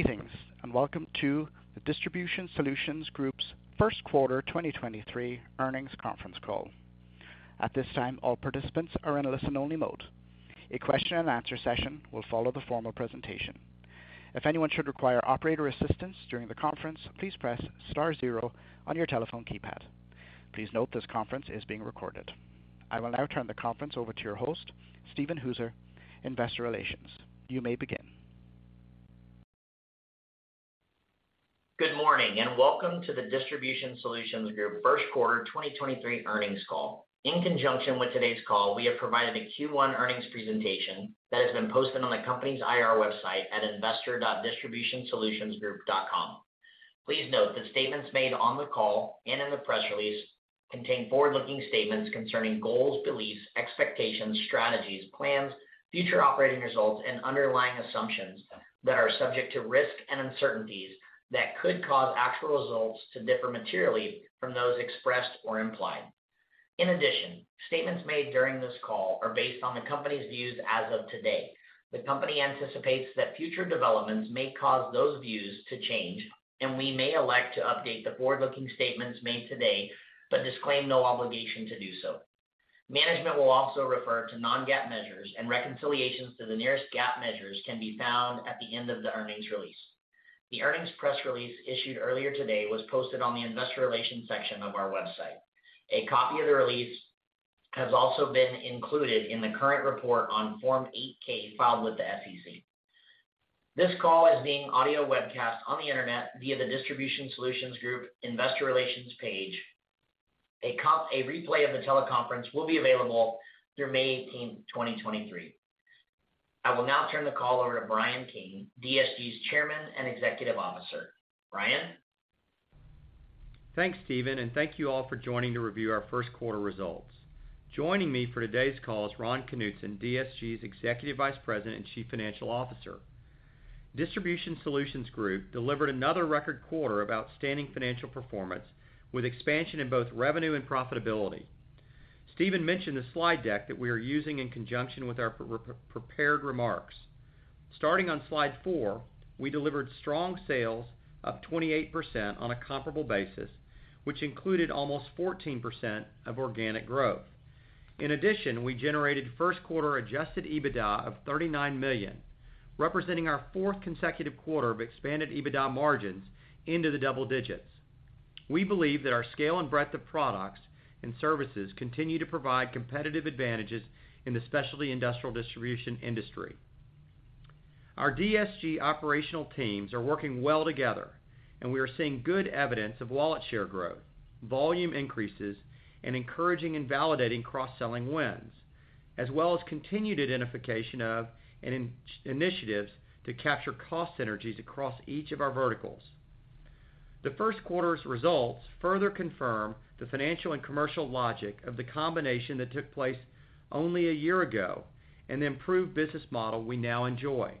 Greetings, and welcome to the Distribution Solutions Group's First Quarter 2023 Earnings Conference Call. At this time, all participants are in a listen-only mode. A question-and-answer session will follow the formal presentation. If anyone should require operator assistance during the conference, please press star zero on your telephone keypad. Please note this conference is being recorded. I will now turn the conference over to your host, Steven Hooser, Investor Relations. You may begin. Good morning. Welcome to the Distribution Solutions Group First Quarter 2023 Earnings Call. In conjunction with today's call, we have provided a Q1 earnings presentation that has been posted on the company's IR website at investor.distributionsolutionsgroup.com. Please note that statements made on the call and in the press release contain forward-looking statements concerning goals, beliefs, expectations, strategies, plans, future operating results, and underlying assumptions that are subject to risks and uncertainties that could cause actual results to differ materially from those expressed or implied. In addition, statements made during this call are based on the company's views as of today. The company anticipates that future developments may cause those views to change, and we may elect to update the forward-looking statements made today, but disclaim no obligation to do so. Management will also refer to non-GAAP measures and reconciliations to the nearest GAAP measures can be found at the end of the earnings release. The earnings press release issued earlier today was posted on the Investor Relations section of our website. A copy of the release has also been included in the current report on Form 8-K filed with the SEC. This call is being audio webcast on the Internet via the Distribution Solutions Group Investor Relations page. A replay of the teleconference will be available through May 18th, 2023. I will now turn the call over to Bryan King, DSG's Chairman and Executive Officer. Bryan? Thanks, Steven, and thank you all for joining to review our first quarter results. Joining me for today's call is Ron Knutson, DSG's Executive Vice President and Chief Financial Officer. Distribution Solutions Group delivered another record quarter of outstanding financial performance with expansion in both revenue and profitability. Steven mentioned the slide deck that we are using in conjunction with our prepared remarks. Starting on slide four, we delivered strong sales of 28% on a comparable basis, which included almost 14% of organic growth. We generated first quarter Adjusted EBITDA of $39 million, representing our fourth consecutive quarter of expanded EBITDA margins into the double digits. We believe that our scale and breadth of products and services continue to provide competitive advantages in the specialty industrial distribution industry. Our DSG operational teams are working well together. We are seeing good evidence of wallet share growth, volume increases, and encouraging and validating cross-selling wins, as well as continued identification of initiatives to capture cost synergies across each of our verticals. The first quarter's results further confirm the financial and commercial logic of the combination that took place only a year ago and the improved business model we now enjoy.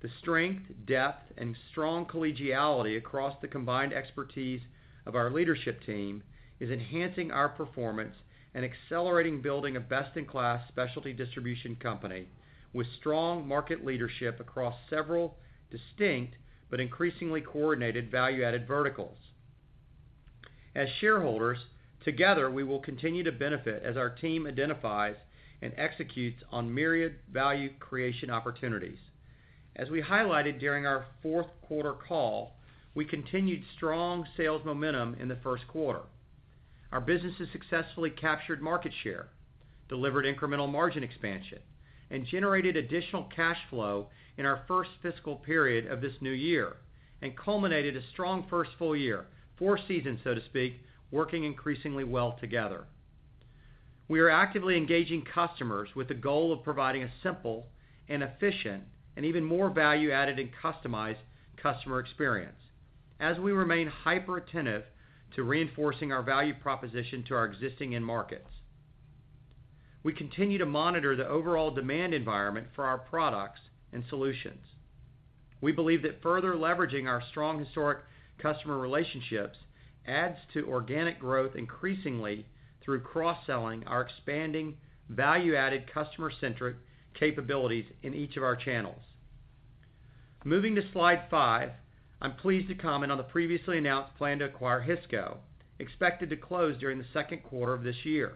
The strength, depth, and strong collegiality across the combined expertise of our leadership team is enhancing our performance and accelerating building a best-in-class specialty distribution company with strong market leadership across several distinct but increasingly coordinated value-added verticals. As shareholders, together, we will continue to benefit as our team identifies and executes on myriad value creation opportunities. As we highlighted during our fourth quarter call, we continued strong sales momentum in the first quarter. Our businesses successfully captured market share, delivered incremental margin expansion, and generated additional cash flow in our first fiscal period of this new year and culminated a strong first full year, four seasons, so to speak, working increasingly well together. We are actively engaging customers with the goal of providing a simple and efficient and even more value-added and customized customer experience as we remain hyper-attentive to reinforcing our value proposition to our existing end markets. We continue to monitor the overall demand environment for our products and solutions. We believe that further leveraging our strong historic customer relationships adds to organic growth increasingly through cross-selling our expanding value-added customer-centric capabilities in each of our channels. Moving to slide five, I'm pleased to comment on the previously announced plan to acquire Hisco, expected to close during the second quarter of this year.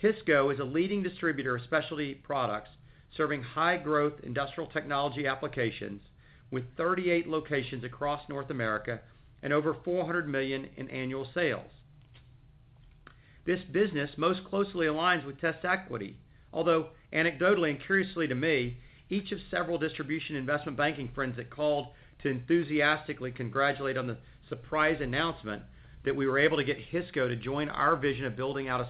Hisco is a leading distributor of specialty products, serving high growth industrial technology applications with 38 locations across North America and over $400 million in annual sales. This business most closely aligns with TestEquity. Although anecdotally and curiously to me, each of several distribution investment banking friends that called to enthusiastically congratulate on the surprise announcement that we were able to get Hisco to join our vision of building out a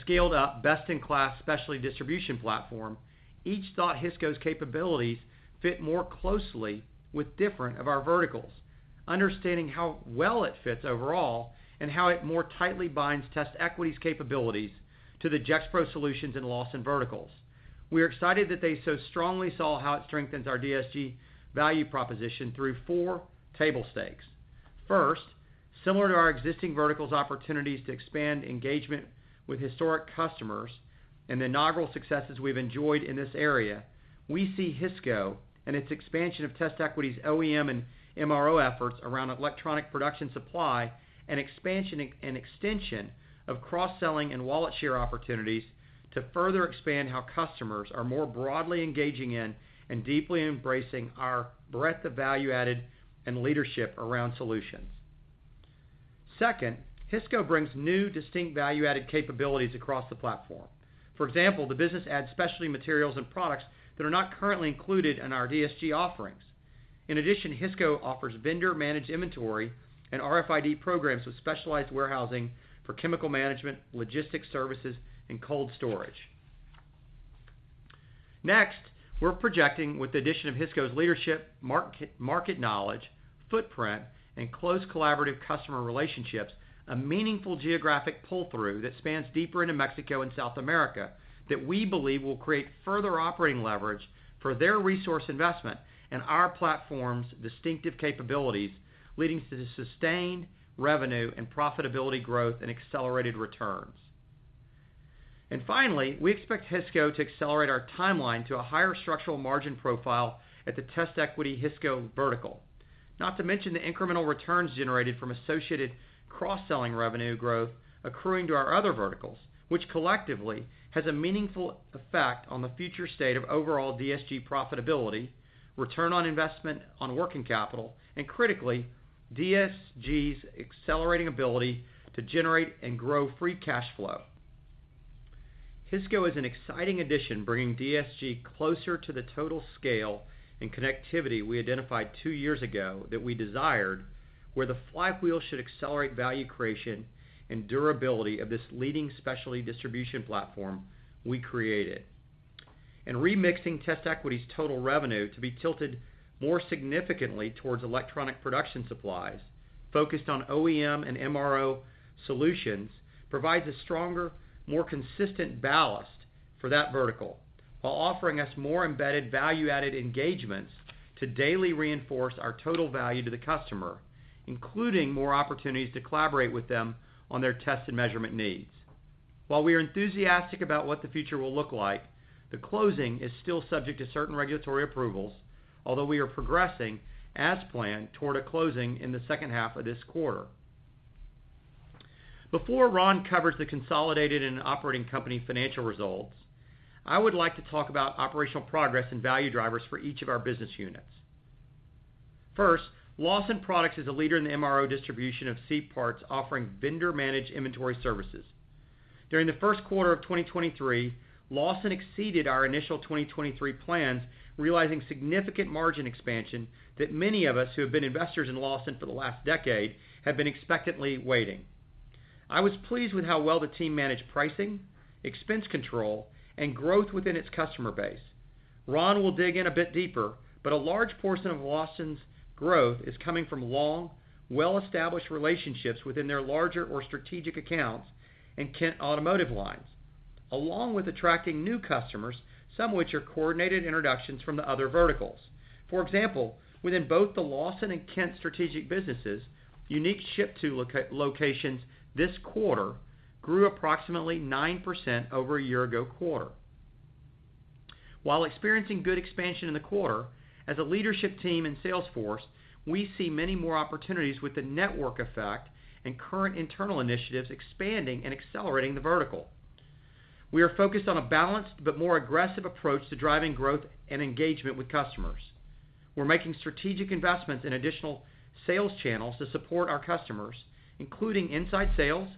scaled-up, best-in-class specialty distribution platform. Each thought Hisco's capabilities fit more closely with different of our verticals, understanding how well it fits overall and how it more tightly binds TestEquity's capabilities to the Gexpro Services and Lawson verticals. We are excited that they so strongly saw how it strengthens our DSGValue proposition through four table stakes. First, similar to our existing verticals opportunities to expand engagement with historic customers and the inaugural successes we've enjoyed in this area, we see Hisco and its expansion of TestEquity's OEM and MRO efforts around electronic production supplies, and expansion and extension of cross-selling and wallet share opportunities to further expand how customers are more broadly engaging in and deeply embracing our breadth of value-added and leadership around solutions. Second, Hisco brings new distinct value-added capabilities across the platform. For example, the business adds specialty materials and products that are not currently included in our DSG offerings. In addition, Hisco offers vendor-managed inventory and RFID programs with specialized warehousing for chemical management, logistics services, and cold storage. Next, we're projecting, with the addition of Hisco's leadership, mark-market knowledge, footprint, and close collaborative customer relationships, a meaningful geographic pull-through that spans deeper into Mexico and South America, that we believe will create further operating leverage for their resource investment and our platform's distinctive capabilities, leading to the sustained revenue and profitability growth and accelerated returns. Finally, we expect Hisco to accelerate our timeline to a higher structural margin profile at the TestEquity Hisco vertical. Not to mention the incremental returns generated from associated cross-selling revenue growth accruing to our other verticals, which collectively has a meaningful effect on the future state of overall DSG profitability, return on investment on working capital, and critically, DSG's accelerating ability to generate and grow free cash flow. Hisco is an exciting addition, bringing DSG closer to the total scale and connectivity we identified two years ago that we desired, where the flywheel should accelerate value creation and durability of this leading specialty distribution platform we created. Remixing TestEquity's total revenue to be tilted more significantly towards electronic production supplies, focused on OEM and MRO solutions, provides a stronger, more consistent ballast for that vertical, while offering us more embedded value-added engagements to daily reinforce our total value to the customer, including more opportunities to collaborate with them on their test and measurement needs. While we are enthusiastic about what the future will look like, the closing is still subject to certain regulatory approvals, although we are progressing as planned toward a closing in the second half of this quarter. Before Ron covers the consolidated and operating company financial results, I would like to talk about operational progress and value drivers for each of our business units. First, Lawson Products is a leader in the MRO distribution of C-parts, offering vendor-managed inventory services. During the first quarter of 2023, Lawson exceeded our initial 2023 plans, realizing significant margin expansion that many of us who have been investors in Lawson for the last decade have been expectantly waiting. I was pleased with how well the team managed pricing, expense control, and growth within its customer base. Ron will dig in a bit deeper, but a large portion of Lawson's growth is coming from long, well-established relationships within their larger or strategic accounts and Kent Automotive lines, along with attracting new customers, some which are coordinated introductions from the other verticals. For example, within both the Lawson and Kent strategic businesses, unique ship-to locations this quarter grew approximately 9% over a year ago quarter. While experiencing good expansion in the quarter, as a leadership team and sales force, we see many more opportunities with the network effect and current internal initiatives expanding and accelerating the vertical. We are focused on a balanced but more aggressive approach to driving growth and engagement with customers. We're making strategic investments in additional sales channels to support our customers, including inside sales,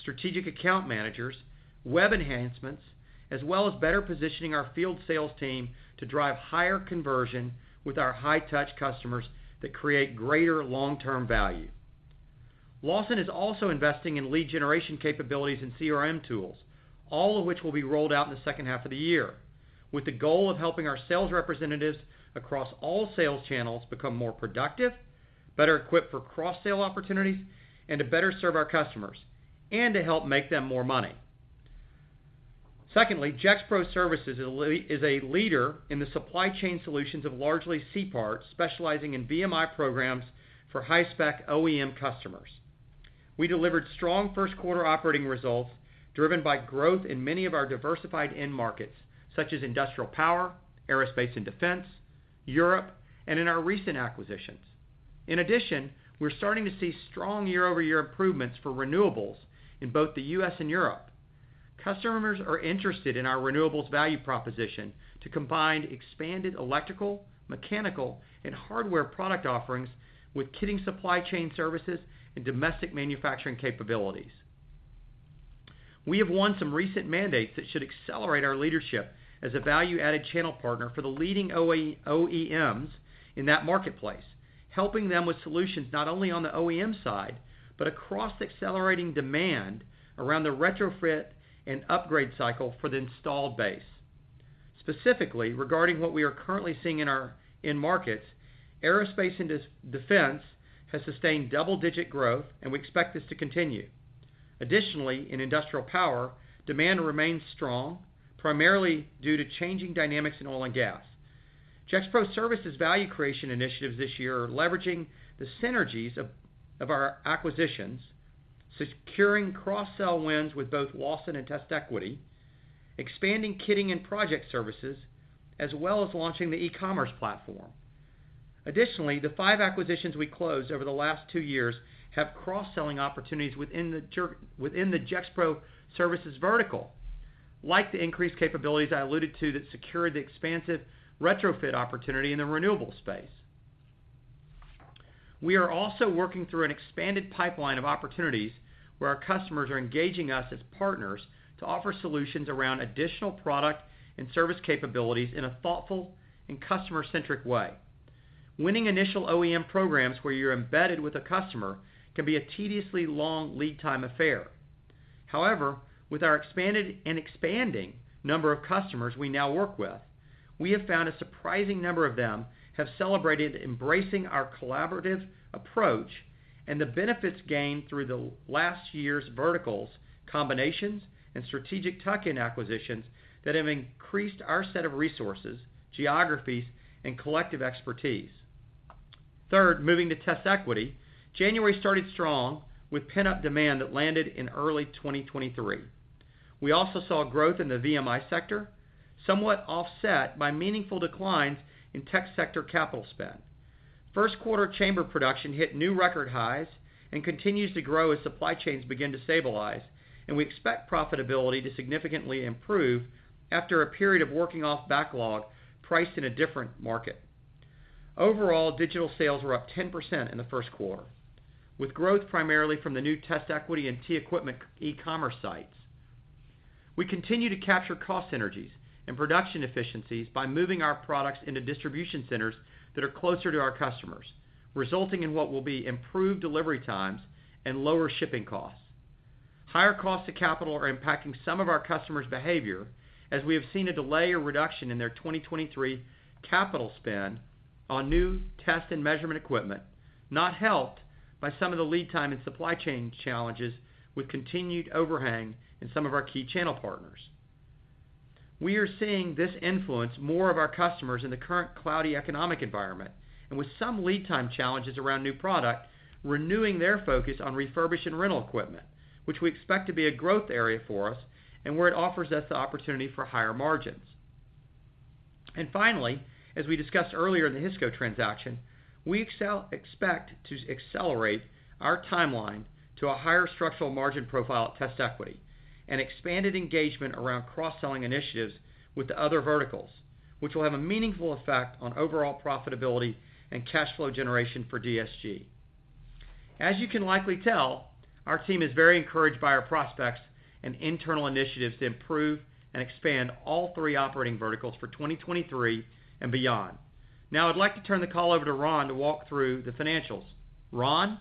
strategic account managers, web enhancements, as well as better positioning our field sales team to drive higher conversion with our high-touch customers that create greater long-term value. Lawson is also investing in lead generation capabilities and CRM tools, all of which will be rolled out in the second half of the year, with the goal of helping our sales representatives across all sales channels become more productive, better equipped for cross-sale opportunities, and to better serve our customers, and to help make them more money. Gexpro Services is a leader in the supply chain solutions of largely C-parts, specializing in VMI programs for high-spec OEM customers. We delivered strong first quarter operating results driven by growth in many of our diversified end markets, such as industrial power, aerospace and defense, Europe, and in our recent acquisitions. We're starting to see strong year-over-year improvements for renewables in both the U.S. and Europe. Customers are interested in our renewables value proposition to combine expanded electrical, mechanical, and hardware product offerings with kitting supply chain services and domestic manufacturing capabilities. We have won some recent mandates that should accelerate our leadership as a value-added channel partner for the leading OEMs in that marketplace, helping them with solutions not only on the OEM side, but across accelerating demand around the retrofit and upgrade cycle for the installed base. Specifically, regarding what we are currently seeing in our end markets, aerospace and defense has sustained double-digit growth, and we expect this to continue. In industrial power, demand remains strong, primarily due to changing dynamics in oil and gas. Gexpro Services value creation initiatives this year are leveraging the synergies of our acquisitions, securing cross-sell wins with both Lawson and TestEquity, expanding kitting and project services, as well as launching the e-commerce platform. Additionally, the five acquisitions we closed over the last two years have cross-selling opportunities within the Gexpro Services vertical, like the increased capabilities I alluded to that secure the expansive retrofit opportunity in the renewable space. We are also working through an expanded pipeline of opportunities where our customers are engaging us as partners to offer solutions around additional product and service capabilities in a thoughtful and customer-centric way. Winning initial OEM programs where you're embedded with a customer can be a tediously long lead time affair. With our expanded and expanding number of customers we now work with, we have found a surprising number of them have celebrated embracing our collaborative approach and the benefits gained through the last year's verticals, combinations, and strategic tuck-in acquisitions that have increased our set of resources, geographies, and collective expertise. Third, moving to TestEquity, January started strong with pent-up demand that landed in early 2023. We also saw growth in the VMI sector, somewhat offset by meaningful declines in tech sector capital spend. First quarter chamber production hit new record highs and continues to grow as supply chains begin to stabilize. We expect profitability to significantly improve after a period of working off backlog priced in a different market. Overall, digital sales were up 10% in the first quarter, with growth primarily from the new TestEquity and TEquipment e-commerce sites. We continue to capture cost synergies and production efficiencies by moving our products into distribution centers that are closer to our customers, resulting in what will be improved delivery times and lower shipping costs. Higher costs of capital are impacting some of our customers' behavior, as we have seen a delay or reduction in their 2023 capital spend on new test and measurement equipment, not helped by some of the lead time and supply chain challenges with continued overhang in some of our key channel partners. We are seeing this influence more of our customers in the current cloudy economic environment, and with some lead time challenges around new product, renewing their focus on refurbished and rental equipment, which we expect to be a growth area for us and where it offers us the opportunity for higher margins. Finally, as we discussed earlier in the Hisco transaction, we expect to accelerate our timeline to a higher structural margin profile at TestEquity and expanded engagement around cross-selling initiatives with the other verticals, which will have a meaningful effect on overall profitability and cash flow generation for DSG. As you can likely tell, our team is very encouraged by our prospects and internal initiatives to improve and expand all three operating verticals for 2023 and beyond. Now I'd like to turn the call over to Ron to walk through the financials. Ron?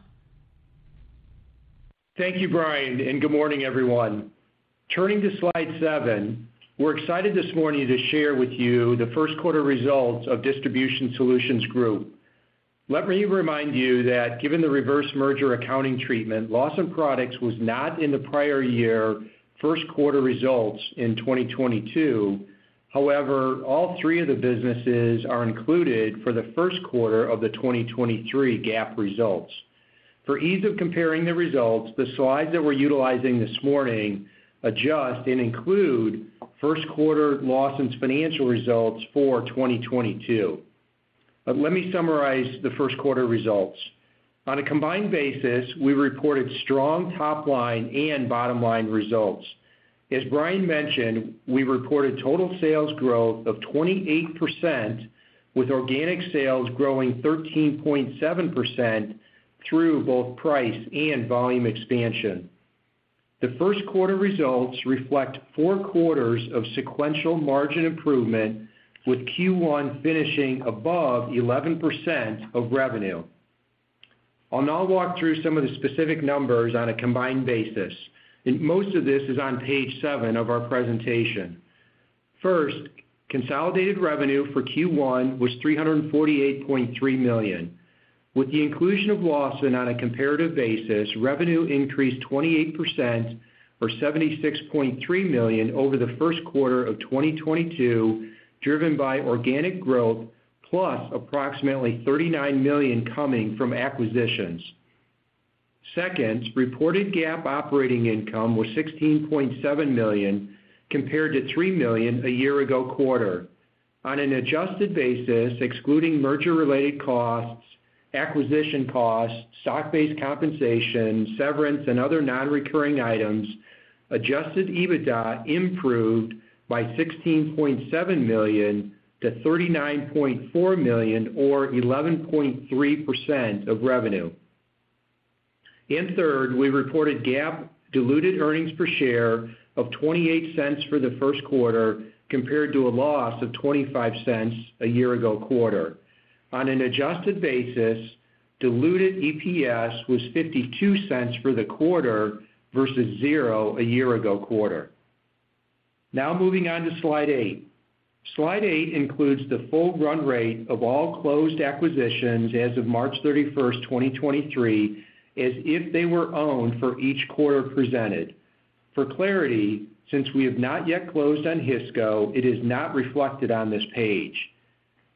Thank you, Bryan, and good morning, everyone. Turning to slide seven, we're excited this morning to share with you the first quarter results of Distribution Solutions Group. Let me remind you that given the reverse merger accounting treatment, Lawson Products was not in the prior year first quarter results in 2022. All three of the businesses are included for the first quarter of the 2023 GAAP results. For ease of comparing the results, the slides that we're utilizing this morning adjust and include first quarter Lawson's financial results for 2022. Let me summarize the first quarter results. On a combined basis, we reported strong top line and bottom line results. As Bryan mentioned, we reported total sales growth of 28%, with organic sales growing 13.7% through both price and volume expansion. The first quarter results reflect four quarters of sequential margin improvement, with Q1 finishing above 11% of revenue. I'll now walk through some of the specific numbers on a combined basis. Most of this is on page seven of our presentation. First, consolidated revenue for Q1 was $348.3 million. With the inclusion of Lawson on a comparative basis, revenue increased 28% or $76.3 million over the first quarter of 2022, driven by organic growth plus approximately $39 million coming from acquisitions. Second, reported GAAP operating income was $16.7 million, compared to $3 million a year ago quarter. On an adjusted basis, excluding merger-related costs, acquisition costs, stock-based compensation, severance, and other non-recurring items, Adjusted EBITDA improved by $16.7 million-$39.4 million or 11.3% of revenue. Third, we reported GAAP diluted earnings per share of $0.28 for the first quarter, compared to a loss of $0.25 a year-ago quarter. On an adjusted basis, diluted EPS was $0.52 for the quarter versus $0.00 a year-ago quarter. Moving on to slide eight. Slide eight includes the full run rate of all closed acquisitions as of March 31st, 2023, as if they were owned for each quarter presented. For clarity, since we have not yet closed on Hisco, it is not reflected on this page.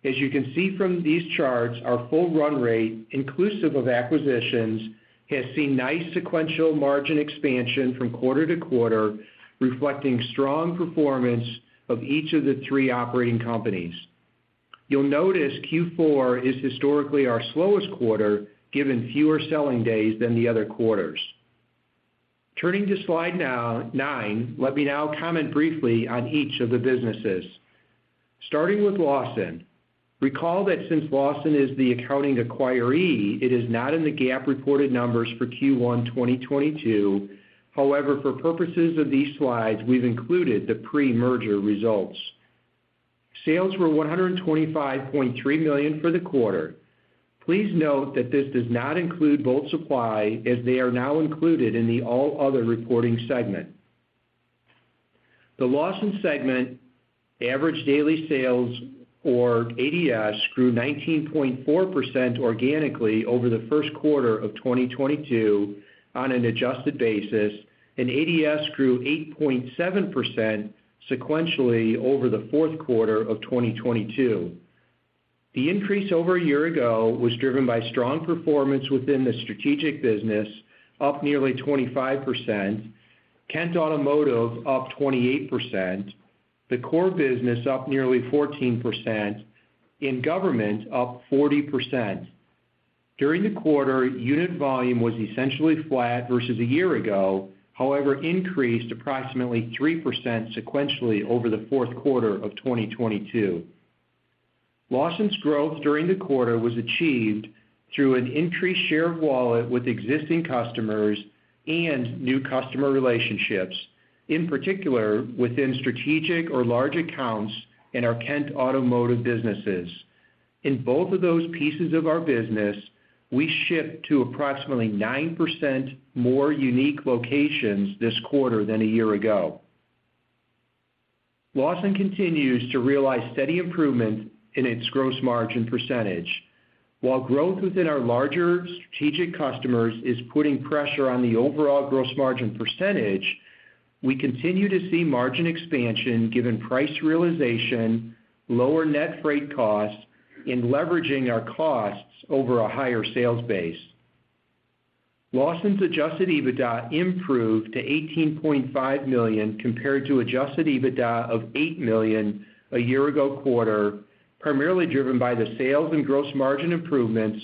As you can see from these charts, our full run rate, inclusive of acquisitions, has seen nice sequential margin expansion from quarter-to-quarter, reflecting strong performance of each of the three operating companies. You'll notice Q4 is historically our slowest quarter, given fewer selling days than the other quarters. Turning to slide nine, let me now comment briefly on each of the businesses. Starting with Lawson. Recall that since Lawson is the accounting acquiree, it is not in the GAAP reported numbers for Q1 2022. However, for purposes of these slides, we've included the pre-merger results. Sales were $125.3 million for the quarter. Please note that this does not include Bolt Supply as they are now included in the all other reporting segment. The Lawson segment average daily sales, or ADS, grew 19.4% organically over the first quarter of 2022 on an adjusted basis, and ADS grew 8.7% sequentially over the fourth quarter of 2022. The increase over a year ago was driven by strong performance within the strategic business, up nearly 25%, Kent Automotive up 28%, the core business up nearly 14%, and government up 40%. During the quarter, unit volume was essentially flat versus a year ago, however, increased approximately 3% sequentially over Q4 2022. Lawson's growth during the quarter was achieved through an increased share of wallet with existing customers and new customer relationships, in particular within strategic or large accounts in our Kent Automotive businesses. In both of those pieces of our business, we shipped to approximately 9% more unique locations this quarter than a year ago. Lawson continues to realize steady improvement in its gross margin percentage. While growth within our larger strategic customers is putting pressure on the overall gross margin percentage, we continue to see margin expansion given price realization, lower net freight costs, and leveraging our costs over a higher sales base. Lawson Products' Adjusted EBITDA improved to $18.5 million compared to Adjusted EBITDA of $8 million a year ago quarter, primarily driven by the sales and gross margin improvements,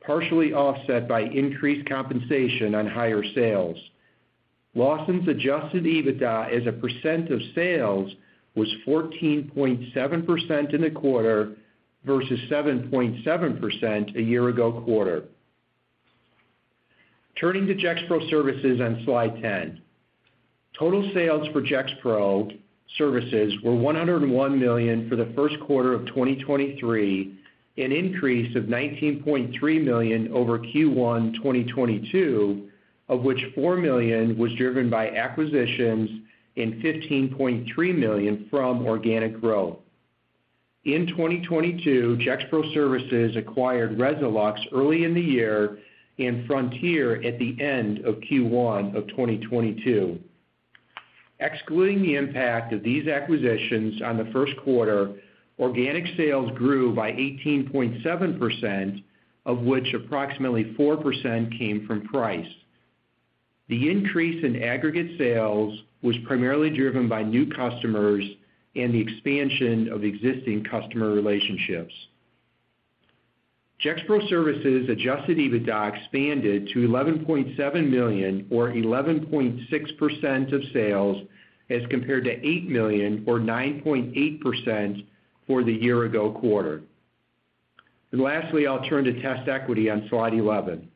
partially offset by increased compensation on higher sales. Lawson Products' Adjusted EBITDA as a % of sales was 14.7% in the quarter versus 7.7% a year ago quarter. Turning to Gexpro Services on slide 10. Total sales for Gexpro Services were $101 million for the first quarter of 2023, an increase of $19.3 million over Q1 2022, of which $4 million was driven by acquisitions and $15.3 million from organic growth. In 2022, Gexpro Services acquired Resolux early in the year and Frontier at the end of Q1 2022. Excluding the impact of these acquisitions on the first quarter, organic sales grew by 18.7%, of which approximately 4% came from price. The increase in aggregate sales was primarily driven by new customers and the expansion of existing customer relationships. Gexpro Services Adjusted EBITDA expanded to $11.7 million or 11.6% of sales as compared to $8 million or 9.8% for the year-ago quarter. Lastly, I'll turn to TestEquity on slide 11.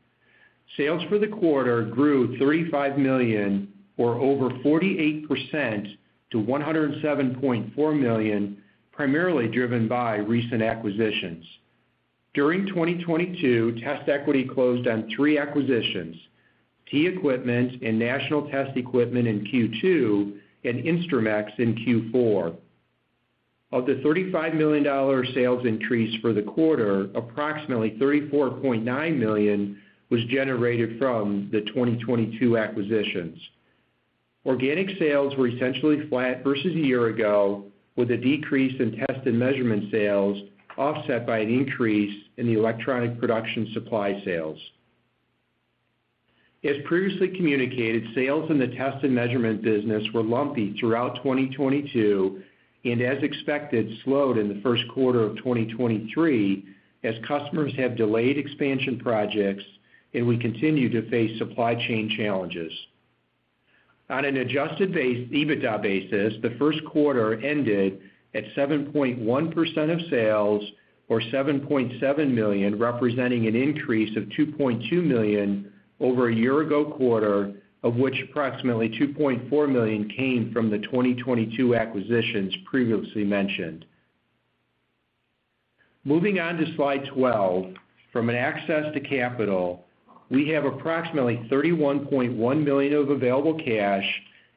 Sales for the quarter grew $35 million or over 48% to $107.4 million, primarily driven by recent acquisitions. During 2022, TestEquity closed on three acquisitions, TEquipment and National Test Equipment in Q2 and Instrumex in Q4. Of the $35 million sales increase for the quarter, approximately $34.9 million was generated from the 2022 acquisitions. Organic sales were essentially flat versus a year ago with a decrease in test and measurement sales offset by an increase in the electronic production supply sales. As previously communicated, sales in the test and measurement business were lumpy throughout 2022 and as expected slowed in the first quarter of 2023 as customers have delayed expansion projects and we continue to face supply chain challenges. On an Adjusted EBITDA basis, the first quarter ended at 7.1% of sales or $7.7 million, representing an increase of $2.2 million over a year-ago quarter, of which approximately $2.4 million came from the 2022 acquisitions previously mentioned. Moving on to slide 12. From an access to capital, we have approximately $31.1 million of available cash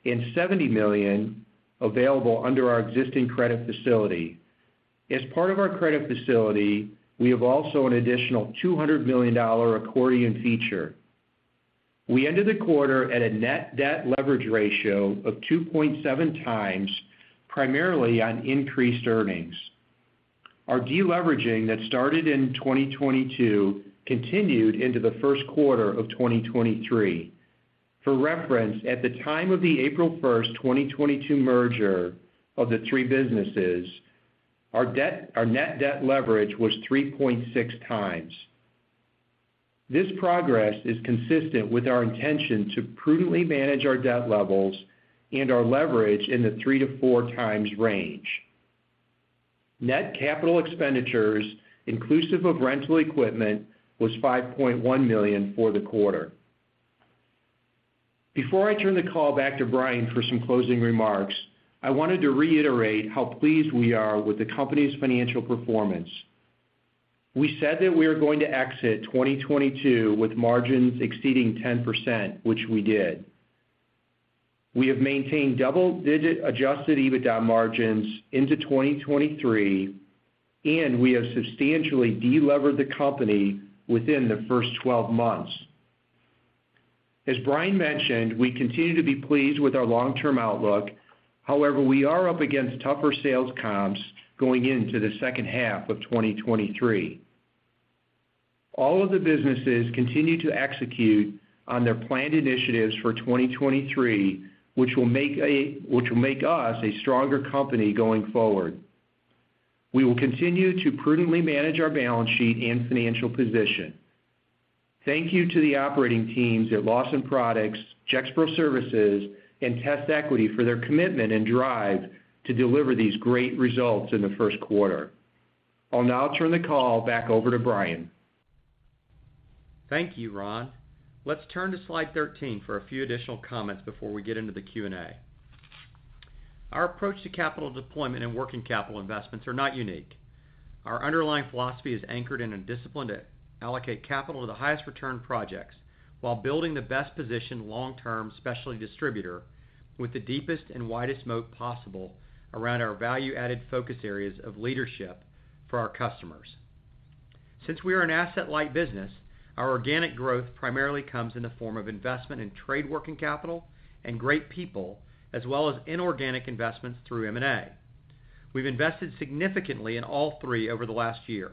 and $70 million available under our existing credit facility. As part of our credit facility, we have also an additional $200 million accordion feature. We ended the quarter at a net debt leverage ratio of 2.7x, primarily on increased earnings. Our deleveraging that started in 2022 continued into the first quarter of 2023. For reference, at the time of the April 1st, 2022 merger of the three businesses, our net debt leverage was 3.6x. This progress is consistent with our intention to prudently manage our debt levels and our leverage in the 3x-4x range. Net capital expenditures, inclusive of rental equipment, was $5.1 million for the quarter. Before I turn the call back to Bryan for some closing remarks, I wanted to reiterate how pleased we are with the company's financial performance. We said that we are going to exit 2022 with margins exceeding 10%, which we did. We have maintained double-digit Adjusted EBITDA margins into 2023. We have substantially delevered the company within the first 12 months. As Bryan mentioned, we continue to be pleased with our long-term outlook. We are up against tougher sales comps going into the second half of 2023. All of the businesses continue to execute on their planned initiatives for 2023, which will make us a stronger company going forward. We will continue to prudently manage our balance sheet and financial position. Thank you to the operating teams at Lawson Products, Gexpro Services and TestEquity for their commitment and drive to deliver these great results in the first quarter. I'll now turn the call back over to Bryan. Thank you, Ron. Let's turn to slide 13 for a few additional comments before we get into the Q&A. Our approach to capital deployment and working capital investments are not unique. Our underlying philosophy is anchored in a discipline to allocate capital to the highest return projects while building the best positioned long-term specialty distributor with the deepest and widest moat possible around our value-added focus areas of leadership for our customers. Since we are an asset-light business, our organic growth primarily comes in the form of investment in trade working capital and great people, as well as inorganic investments through M&A. We've invested significantly in all three over the last year.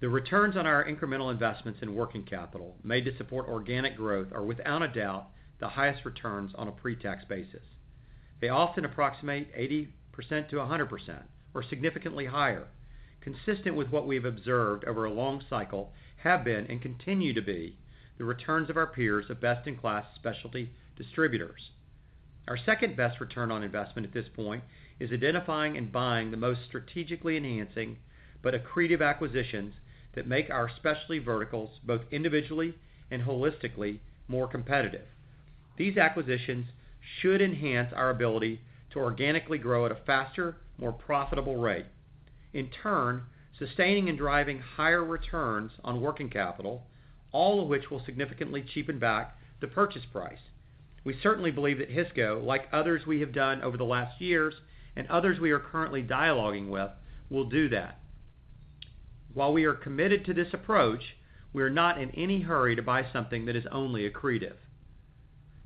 The returns on our incremental investments in working capital made to support organic growth are, without a doubt, the highest returns on a pre-tax basis. They often approximate 80%-100% or significantly higher, consistent with what we have observed over a long cycle have been and continue to be the returns of our peers of best-in-class specialty distributors. Our second-best return on investment at this point is identifying and buying the most strategically enhancing but accretive acquisitions that make our specialty verticals, both individually and holistically, more competitive. These acquisitions should enhance our ability to organically grow at a faster, more profitable rate, in turn sustaining and driving higher returns on working capital, all of which will significantly cheapen back the purchase price. We certainly believe that Hisco, like others we have done over the last years and others we are currently dialoguing with, will do that. While we are committed to this approach, we are not in any hurry to buy something that is only accretive.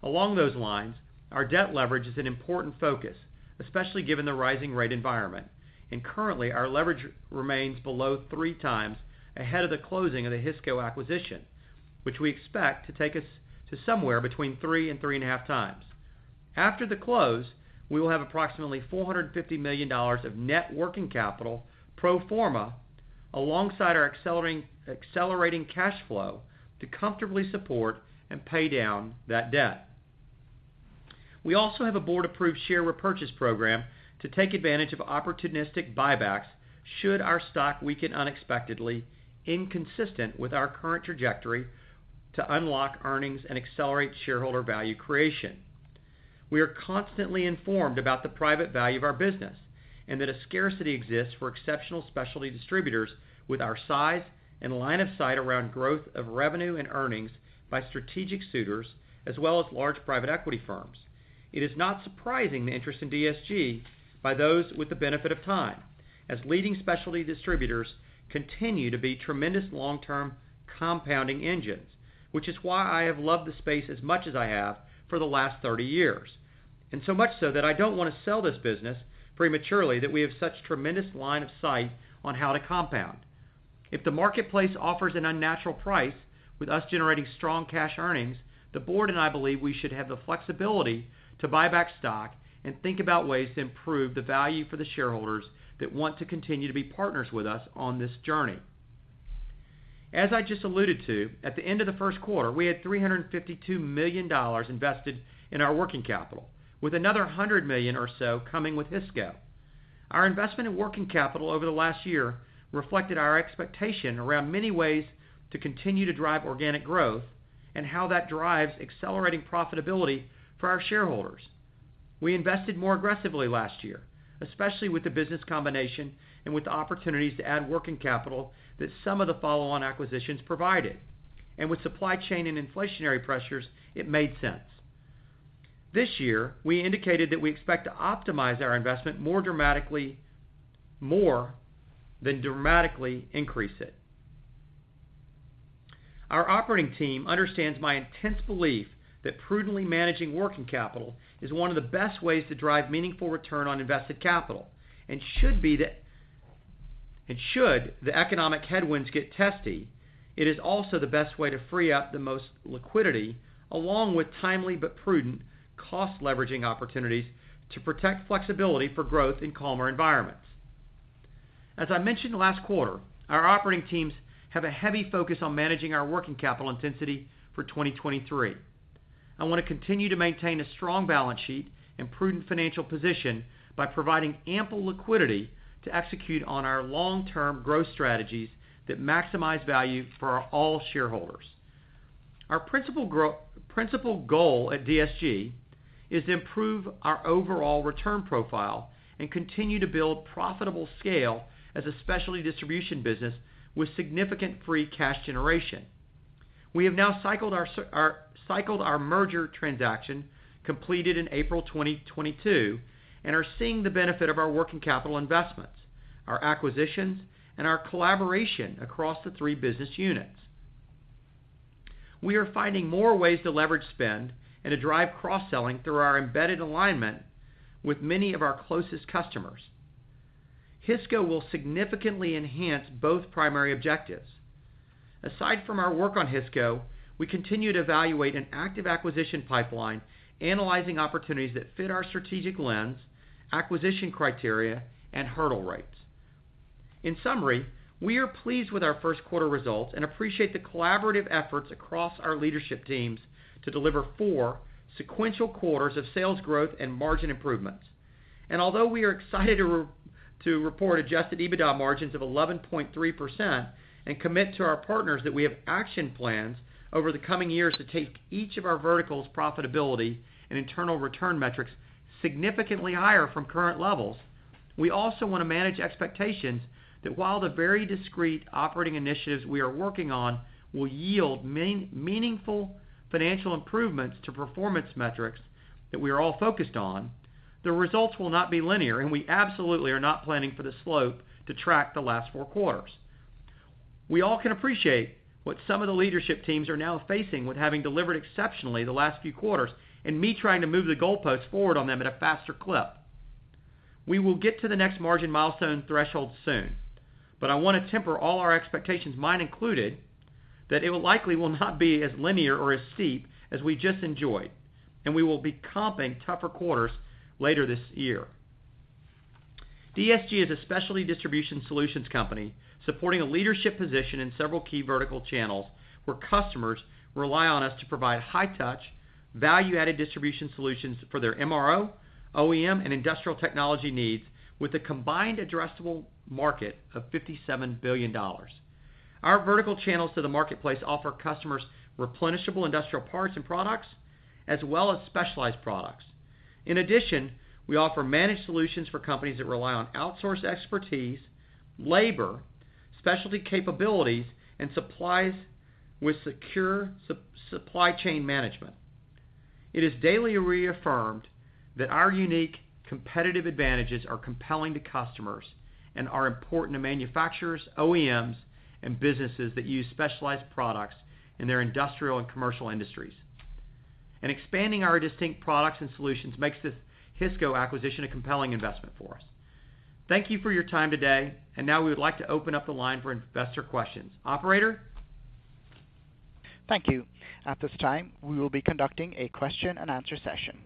Along those lines, our debt leverage is an important focus, especially given the rising rate environment. Currently, our leverage remains below 3x ahead of the closing of the Hisco acquisition, which we expect to take us to somewhere between 3x and 3.5x. After the close, we will have approximately $450 million of net working capital pro forma alongside our accelerating cash flow to comfortably support and pay down that debt. We also have a board-approved share repurchase program to take advantage of opportunistic buybacks should our stock weaken unexpectedly, inconsistent with our current trajectory to unlock earnings and accelerate shareholder value creation. We are constantly informed about the private value of our business and that a scarcity exists for exceptional specialty distributors with our size and line of sight around growth of revenue and earnings by strategic suitors as well as large private equity firms. It is not surprising the interest in DSG by those with the benefit of time, as leading specialty distributors continue to be tremendous long-term compounding engines, which is why I have loved the space as much as I have for the last 30 years. So much so that I don't wanna sell this business prematurely, that we have such tremendous line of sight on how to compound. If the marketplace offers an unnatural price with us generating strong cash earnings, the board and I believe we should have the flexibility to buy back stock and think about ways to improve the value for the shareholders that want to continue to be partners with us on this journey. As I just alluded to, at the end of the first quarter, we had $352 million invested in our working capital, with another $100 million or so coming with Hisco. Our investment in working capital over the last year reflected our expectation around many ways to continue to drive organic growth and how that drives accelerating profitability for our shareholders. We invested more aggressively last year, especially with the business combination and with the opportunities to add working capital that some of the follow-on acquisitions provided. With supply chain and inflationary pressures, it made sense. This year, we indicated that we expect to optimize our investment more dramatically, more than dramatically increase it. Our operating team understands my intense belief that prudently managing working capital is one of the best ways to drive meaningful return on invested capital, and should the economic headwinds get testy, it is also the best way to free up the most liquidity, along with timely but prudent cost leveraging opportunities to protect flexibility for growth in calmer environments. As I mentioned last quarter, our operating teams have a heavy focus on managing our working capital intensity for 2023. I wanna continue to maintain a strong balance sheet and prudent financial position by providing ample liquidity to execute on our long-term growth strategies that maximize value for all shareholders. Our principal goal at DSG is to improve our overall return profile and continue to build profitable scale as a specialty distribution business with significant free cash generation. We have now cycled our merger transaction completed in April 2022 and are seeing the benefit of our working capital investments, our acquisitions, and our collaboration across the three business units. We are finding more ways to leverage spend and to drive cross-selling through our embedded alignment with many of our closest customers. Hisco will significantly enhance both primary objectives. Aside from our work on Hisco, we continue to evaluate an active acquisition pipeline, analyzing opportunities that fit our strategic lens, acquisition criteria, and hurdle rates. In summary, we are pleased with our first quarter results and appreciate the collaborative efforts across our leadership teams to deliver four sequential quarters of sales growth and margin improvements. Although we are excited to report Adjusted EBITDA margins of 11.3% and commit to our partners that we have action plans over the coming years to take each of our verticals' profitability and internal return metrics significantly higher from current levels, we also wanna manage expectations that while the very discreet operating initiatives we are working on will yield meaningful financial improvements to performance metrics that we are all focused on, the results will not be linear, and we absolutely are not planning for the slope to track the last four quarters. We all can appreciate what some of the leadership teams are now facing with having delivered exceptionally the last few quarters and me trying to move the goalposts forward on them at a faster clip. I want to temper all our expectations, mine included, that it will likely not be as linear or as steep as we just enjoyed. We will be comping tougher quarters later this year. DSG is a specialty distribution solutions company supporting a leadership position in several key vertical channels, where customers rely on us to provide high touch, value-added distribution solutions for their MRO, OEM, and industrial technology needs with a combined addressable market of $57 billion. Our vertical channels to the marketplace offer customers replenishable industrial parts and products, as well as specialized products. In addition, we offer managed solutions for companies that rely on outsourced expertise, labor, specialty capabilities, and supplies with secure supply chain management. It is daily reaffirmed that our unique competitive advantages are compelling to customers and are important to manufacturers, OEMs, and businesses that use specialized products in their industrial and commercial industries. Expanding our distinct products and solutions makes this Hisco acquisition a compelling investment for us. Thank you for your time today. Now we would like to open up the line for investor questions. Operator? Thank you. At this time, we will be conducting a question-and-answer session.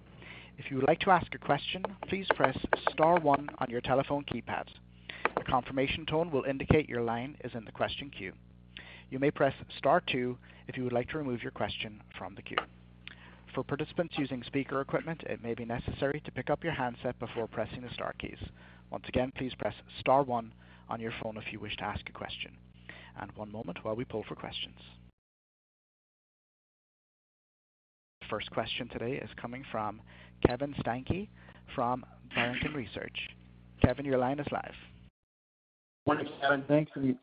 If you would like to ask a question, please press star one on your telephone keypads. The confirmation tone will indicate your line is in the question queue. You may press star two if you would like to remove your question from the queue. For participants using speaker equipment, it may be necessary to pick up your handset before pressing the star keys. Once again, please press star one on your phone if you wish to ask a question. One moment while we pull for questions. First question today is coming from Kevin Steinke from Barrington Research. Kevin, your line is live. Morning, Kevin. Thanks, and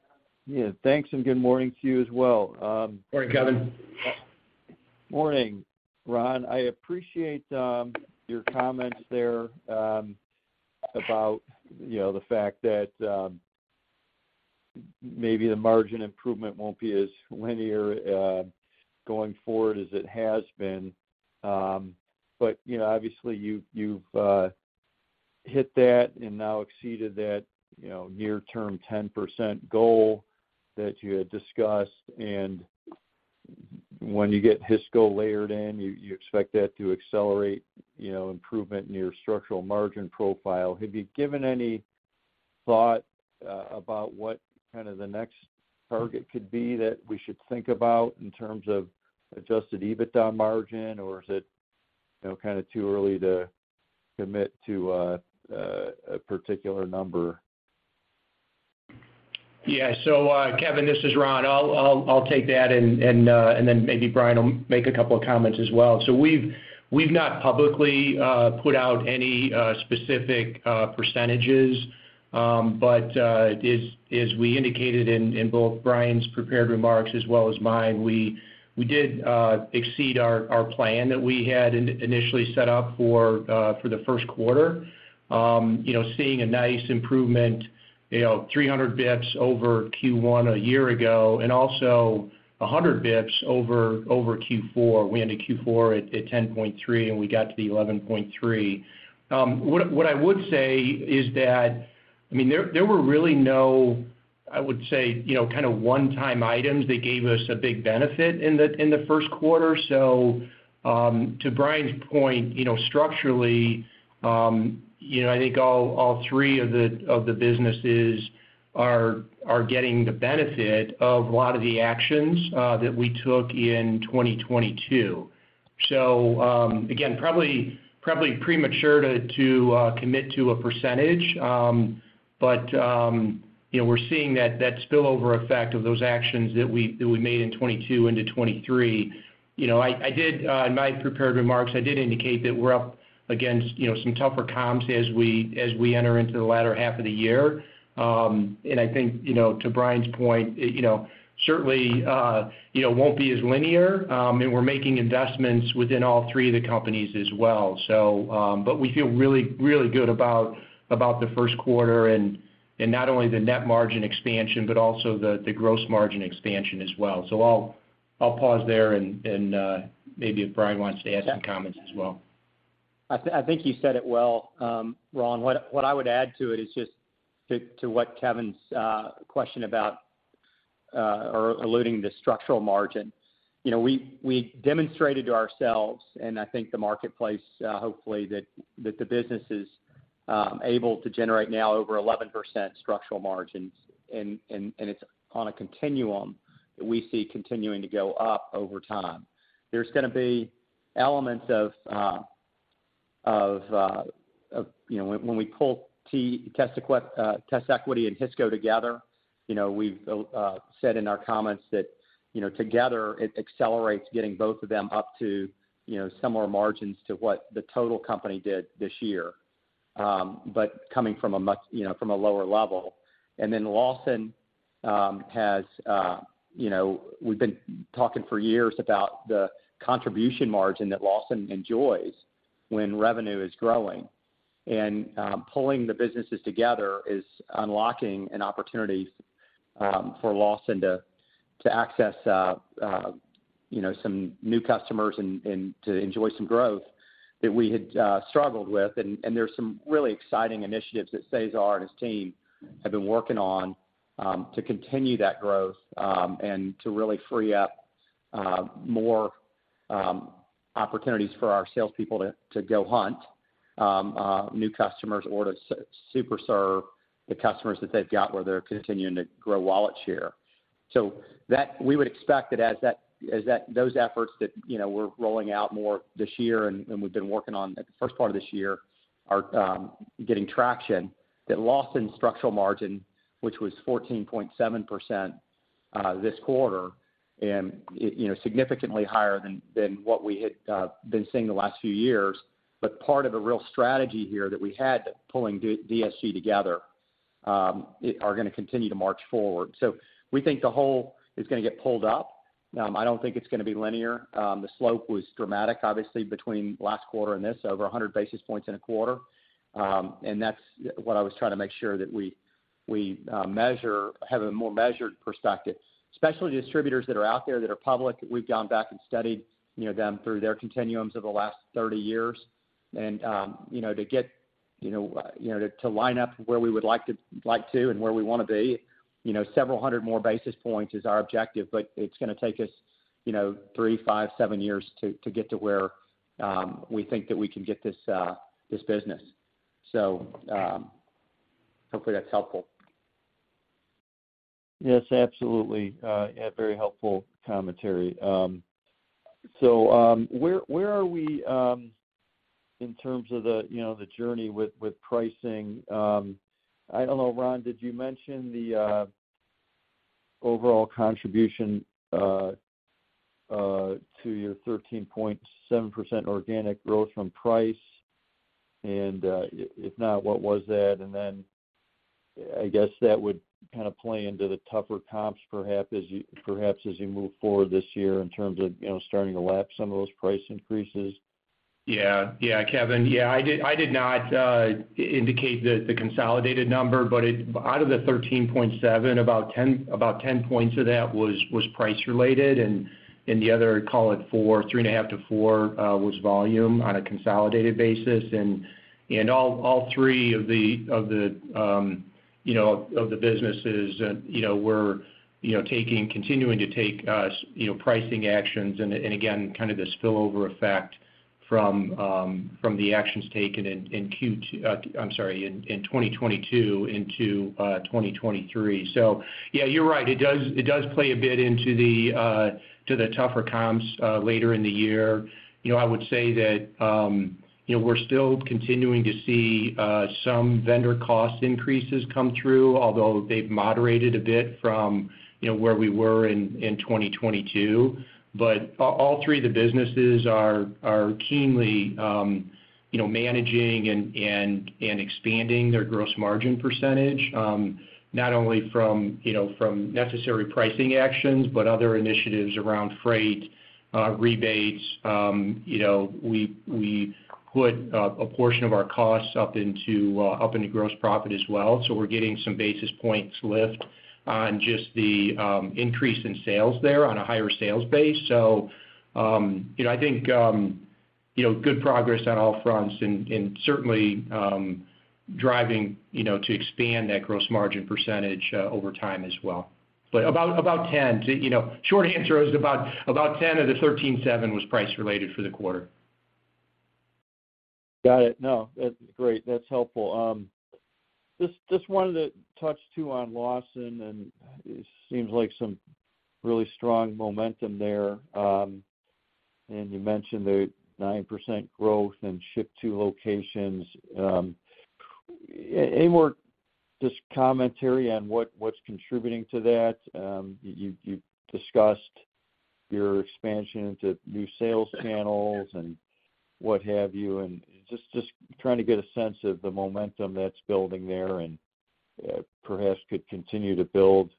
yeah, thanks, and good morning to you as well. Morning, Kevin. Morning, Ron. I appreciate your comments there about, you know, the fact that maybe the margin improvement won't be as linear going forward as it has been. You know, obviously you've hit that and now exceeded that, you know, near term 10% goal that you had discussed. When you get Hisco layered in, you expect that to accelerate, you know, improvement in your structural margin profile. Have you given any thought about what kind of the next target could be that we should think about in terms of Adjusted EBITDA margin, or is it, you know, kinda too early to commit to a particular number? Yeah. Kevin, this is Ron. I'll take that and then maybe Bryan will make a couple of comments as well. We've not publicly put out any specific percentages. But as we indicated in both Bryan's prepared remarks as well as mine, we did exceed our plan that we had initially set up for the first quarter. You know, seeing a nice improvement, you know, 300 basis points over Q1 a year ago and also 100 basis points over Q4. We ended Q4 at 10.3%, and we got to the 11.3%. What I would say is that, I mean, there were really no, I would say, you know, kind of one-time items that gave us a big benefit in the first quarter. To Bryan's point, you know, structurally, you know, I think all three of the businesses are getting the benefit of a lot of the actions that we took in 2022. Again, probably premature to commit to a percentage. You know, we're seeing that spillover effect of those actions that we made in 2022 into 2023. You know, I did in my prepared remarks, I did indicate that we're up against, you know, some tougher comps as we enter into the latter half of the year. I think, you know, to Bryan's point, you know, certainly, you know, won't be as linear. We're making investments within all three of the companies as well. We feel really, really good about the first quarter and not only the net margin expansion, but also the gross margin expansion as well. I'll pause there and maybe if Bryan wants to add some comments as well. I think you said it well, Ron. What I would add to it is just to what Kevin's question about or alluding the structural margin. You know, we demonstrated to ourselves, and I think the marketplace, hopefully that the business is able to generate now over 11% structural margins, and it's on a continuum that we see continuing to go up over time. There's gonna be elements of, you know, when we pull TestEquity and Hisco together, you know, we've said in our comments that, you know, together it accelerates getting both of them up to, you know, similar margins to what the total company did this year. Coming from a much, you know, from a lower level. Lawson, you know, has, we've been talking for years about the contribution margin that Lawson enjoys when revenue is growing. Pulling the businesses together is unlocking an opportunity for Lawson to access, you know, some new customers and to enjoy some growth that we had struggled with. There's some really exciting initiatives that Cesar and his team have been working on to continue that growth and to really free up more opportunities for our salespeople to go hunt new customers or to super serve the customers that they've got where they're continuing to grow wallet share. That, we would expect that as that, those efforts that, you know, we're rolling out more this year and, we've been working on at the first part of this year are getting traction, that Lawson's structural margin, which was 14.7% this quarter and, you know, significantly higher than what we had been seeing the last few years. Part of the real strategy here that we had pulling DSG together are gonna continue to march forward. We think the whole is gonna get pulled up. I don't think it's gonna be linear. The slope was dramatic, obviously, between last quarter and this, over 100 basis points in a quarter. That's what I was trying to make sure that we have a more measured perspective. Specialty distributors that are out there that are public, we've gone back and studied, you know, them through their continuums over the last 30 years. you know, to line up where we would like to and where we wanna be, you know, several hundred more basis points is our objective, but it's gonna take us, you know, three, five, seven years to get to where we think that we can get this business. hopefully that's helpful. Yes, absolutely. Yeah, very helpful commentary. Where are we, in terms of the, you know, the journey with pricing? I don't know, Ron, did you mention the, overall contribution, to your 13.7% organic growth from price? If not, what was that? I guess that would kind of play into the tougher comps perhaps as you move forward this year in terms of, you know, starting to lap some of those price increases. Yeah. Yeah. Kevin, yeah, I did, I did not indicate the consolidated number, but out of the 13.7, about 10 points of that was price related and the other, call it 4, 3.5 to 4, was volume on a consolidated basis. All three of the businesses, you know, were, you know, taking, continuing to take, you know, pricing actions and again, kind of the spillover effect from the actions taken in Q2. I'm sorry, in 2022 into 2023. Yeah, you're right. It does play a bit into the tougher comps later in the year. You know, I would say that You know, we're still continuing to see some vendor cost increases come through, although they've moderated a bit from, you know, where we were in 2022. All three of the businesses are keenly, you know, managing and expanding their gross margin %, not only from, you know, from necessary pricing actions, but other initiatives around freight, rebates. You know, we put a portion of our costs up into gross profit as well. We're getting some basis points lift on just the increase in sales there on a higher sales base. You know, I think, you know, good progress on all fronts and certainly driving, you know, to expand that gross margin % over time as well. About 10. You know, short answer is about 10 of the 13.7% was price related for the quarter. Got it. No, that's great. That's helpful. Just wanted to touch too on Lawson, and it seems like some really strong momentum there. And you mentioned the 9% growth and ship-to locations. Any more just commentary on what's contributing to that? You've discussed your expansion into new sales channels and what have you. Just trying to get a sense of the momentum that's building there and perhaps could continue to build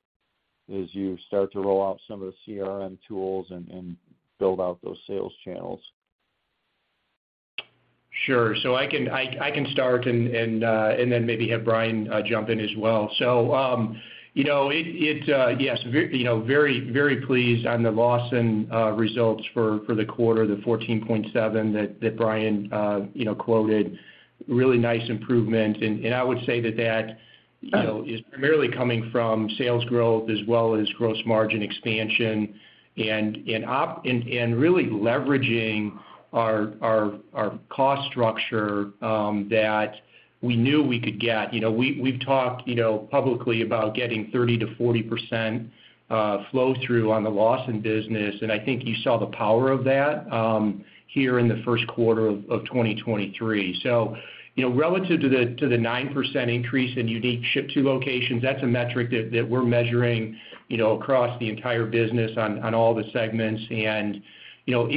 as you start to roll out some of the CRM tools and build out those sales channels. Sure. I can start and then maybe have Bryan jump in as well. You know, yes, you know, very, very pleased on the Lawson results for the quarter, the 14.7% that Bryan, you know, quoted. Really nice improvement. I would say that, you know, is primarily coming from sales growth as well as gross margin expansion and really leveraging our cost structure that we knew we could get. You know, we've talked, you know, publicly about getting 30%-40% flow through on the Lawson business, and I think you saw the power of three here in the first quarter of 2023. You know, relative to the 9% increase in unique ship-to locations, that's a metric that we're measuring, you know, across the entire business on all the segments. You know,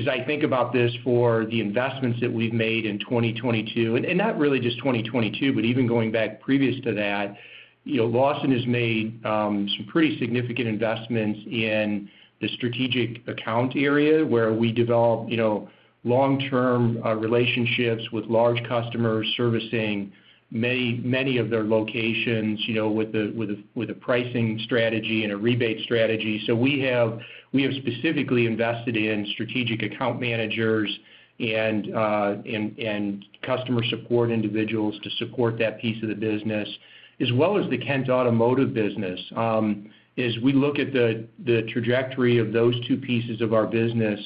as I think about this for the investments that we've made in 2022, and not really just 2022, but even going back previous to that, you know, Lawson has made some pretty significant investments in the strategic account area where we develop, you know, long-term relationships with large customers servicing many of their locations, you know, with a pricing strategy and a rebate strategy. We have specifically invested in strategic account managers and customer support individuals to support that piece of the business, as well as the Kent Automotive business. As we look at the trajectory of those two pieces of our business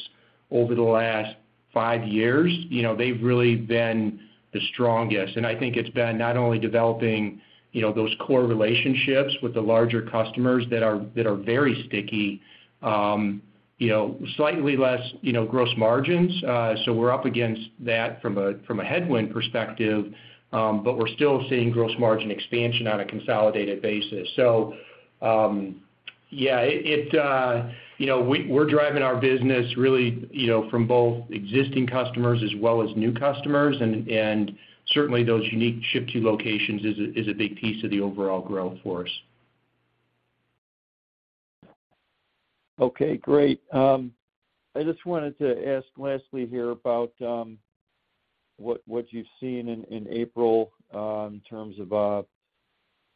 over the last five years, you know, they've really been the strongest. I think it's been not only developing, you know, those core relationships with the larger customers that are very sticky, you know, slightly less, you know, gross margins. We're up against that from a headwind perspective, but we're still seeing gross margin expansion on a consolidated basis. Yeah, it, you know, we're driving our business really, you know, from both existing customers as well as new customers, and certainly those unique ship-to locations is a big piece of the overall growth for us. Okay, great. I just wanted to ask lastly here about what you've seen in April, in terms of a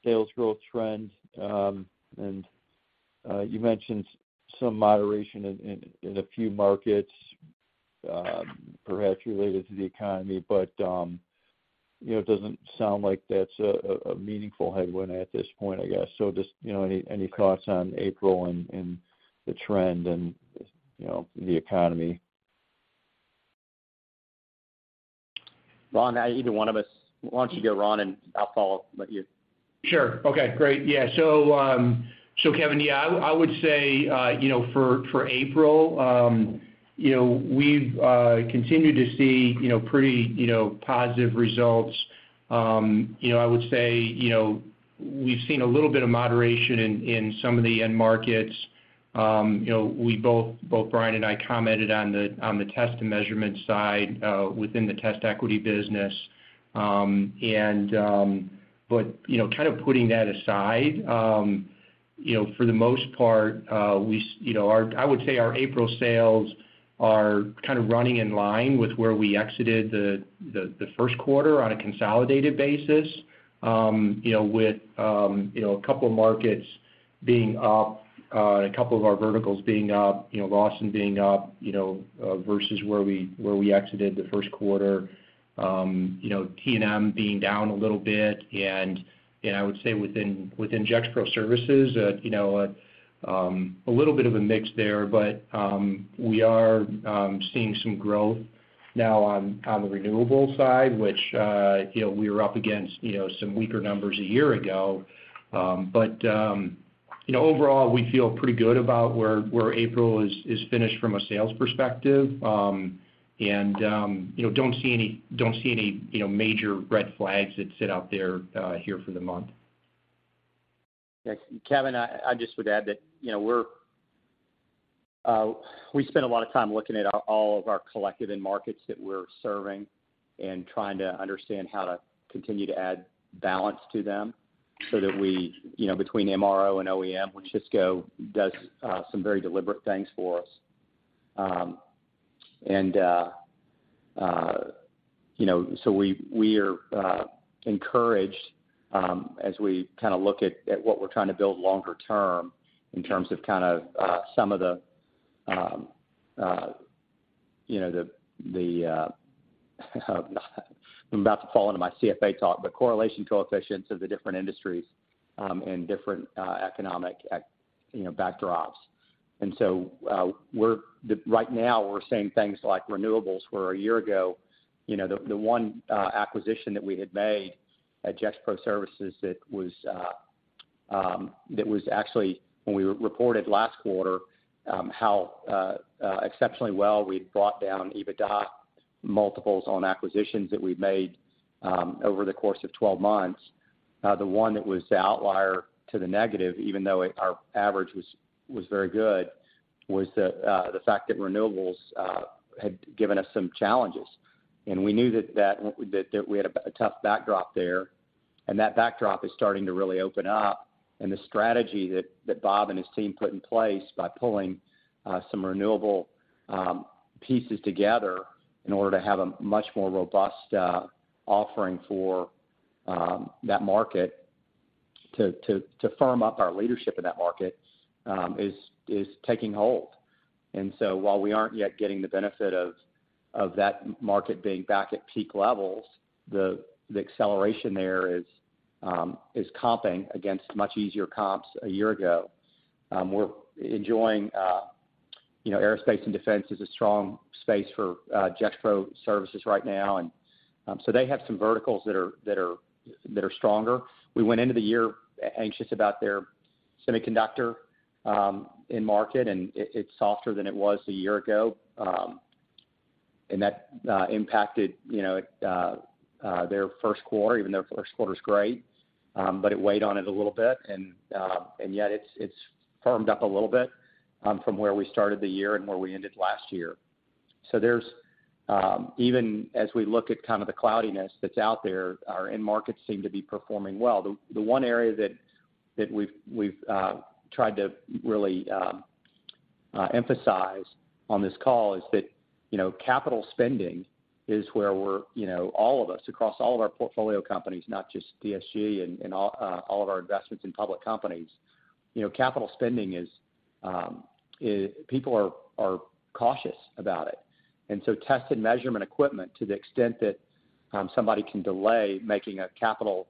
sales growth trend. You mentioned some moderation in a few markets, perhaps related to the economy. You know, it doesn't sound like that's a meaningful headwind at this point, I guess. Just, you know, any thoughts on April and the trend and, you know, the economy? Ron, either one of us. Why don't you go, Ron, and I'll follow with you. Sure. Okay, great. Yeah. Kevin, yeah, I would say, you know, for April, you know, we've continued to see, you know, pretty, you know, positive results. You know, I would say, you know, we've seen a little bit of moderation in some of the end markets. You know, we both Bryan and I commented on the, on the test and measurement side within the TestEquity business. You know, kind of putting that aside, you know, for the most part, we you know, our... I would say our April sales are kind of running in line with where we exited the first quarter on a consolidated basis, you know, with, you know, a couple markets being up, and a couple of our verticals being up, you know, Lawson being up, you know, versus where we, where we exited the first quarter. You know, T&M being down a little bit. You know, I would say within Gexpro Services, you know, a little bit of a mix there, but we are seeing some growth now on the renewables side, which, you know, we were up against, you know, some weaker numbers a year ago. You know, overall, we feel pretty good about where April is finished from a sales perspective. You know, don't see any, you know, major red flags that sit out there, here for the month. Yeah. Kevin, I just would add that, you know, we spend a lot of time looking at all of our collective end markets that we're serving and trying to understand how to continue to add balance to them so that we, you know, between MRO and OEM, which Hisco does, some very deliberate things for us. You know, so we are encouraged, as we kinda look at what we're trying to build longer term in terms of kind of, some of the, you know, the, I'm about to fall into my CFA talk, but correlation coefficients of the different industries, and different economic, you know, backdrops. Right now, we're seeing things like renewables, where a year ago, you know, the one acquisition that we had made at Gexpro Services that was actually when we reported last quarter, how exceptionally well we'd brought down EBITDA multiples on acquisitions that we've made over the course of 12 months. The one that was the outlier to the negative, even though our average was very good, was the fact that renewables had given us some challenges. We knew that we had a tough backdrop there, and that backdrop is starting to really open up. The strategy that Bob and his team put in place by pulling some renewable pieces together in order to have a much more robust offering for that market to firm up our leadership in that market is taking hold. While we aren't yet getting the benefit of that market being back at peak levels, the acceleration there is comping against much easier comps a year ago. We're enjoying, you know, aerospace and defense is a strong space for Gexpro Services right now. They have some verticals that are stronger. We went into the year anxious about their semiconductor end market, and it's softer than it was a year ago. That impacted, you know, their first quarter, even though their first quarter's great, but it weighed on it a little bit. Yet it's firmed up a little bit from where we started the year and where we ended last year. There's, even as we look at kind of the cloudiness that's out there, our end markets seem to be performing well. The one area that we've tried to really emphasize on this call is that, you know, capital spending is where we're, you know, all of us across all of our portfolio companies, not just DSG and all of our investments in public companies. You know, capital spending is, people are cautious about it. Test and measurement equipment, to the extent that somebody can delay making a capital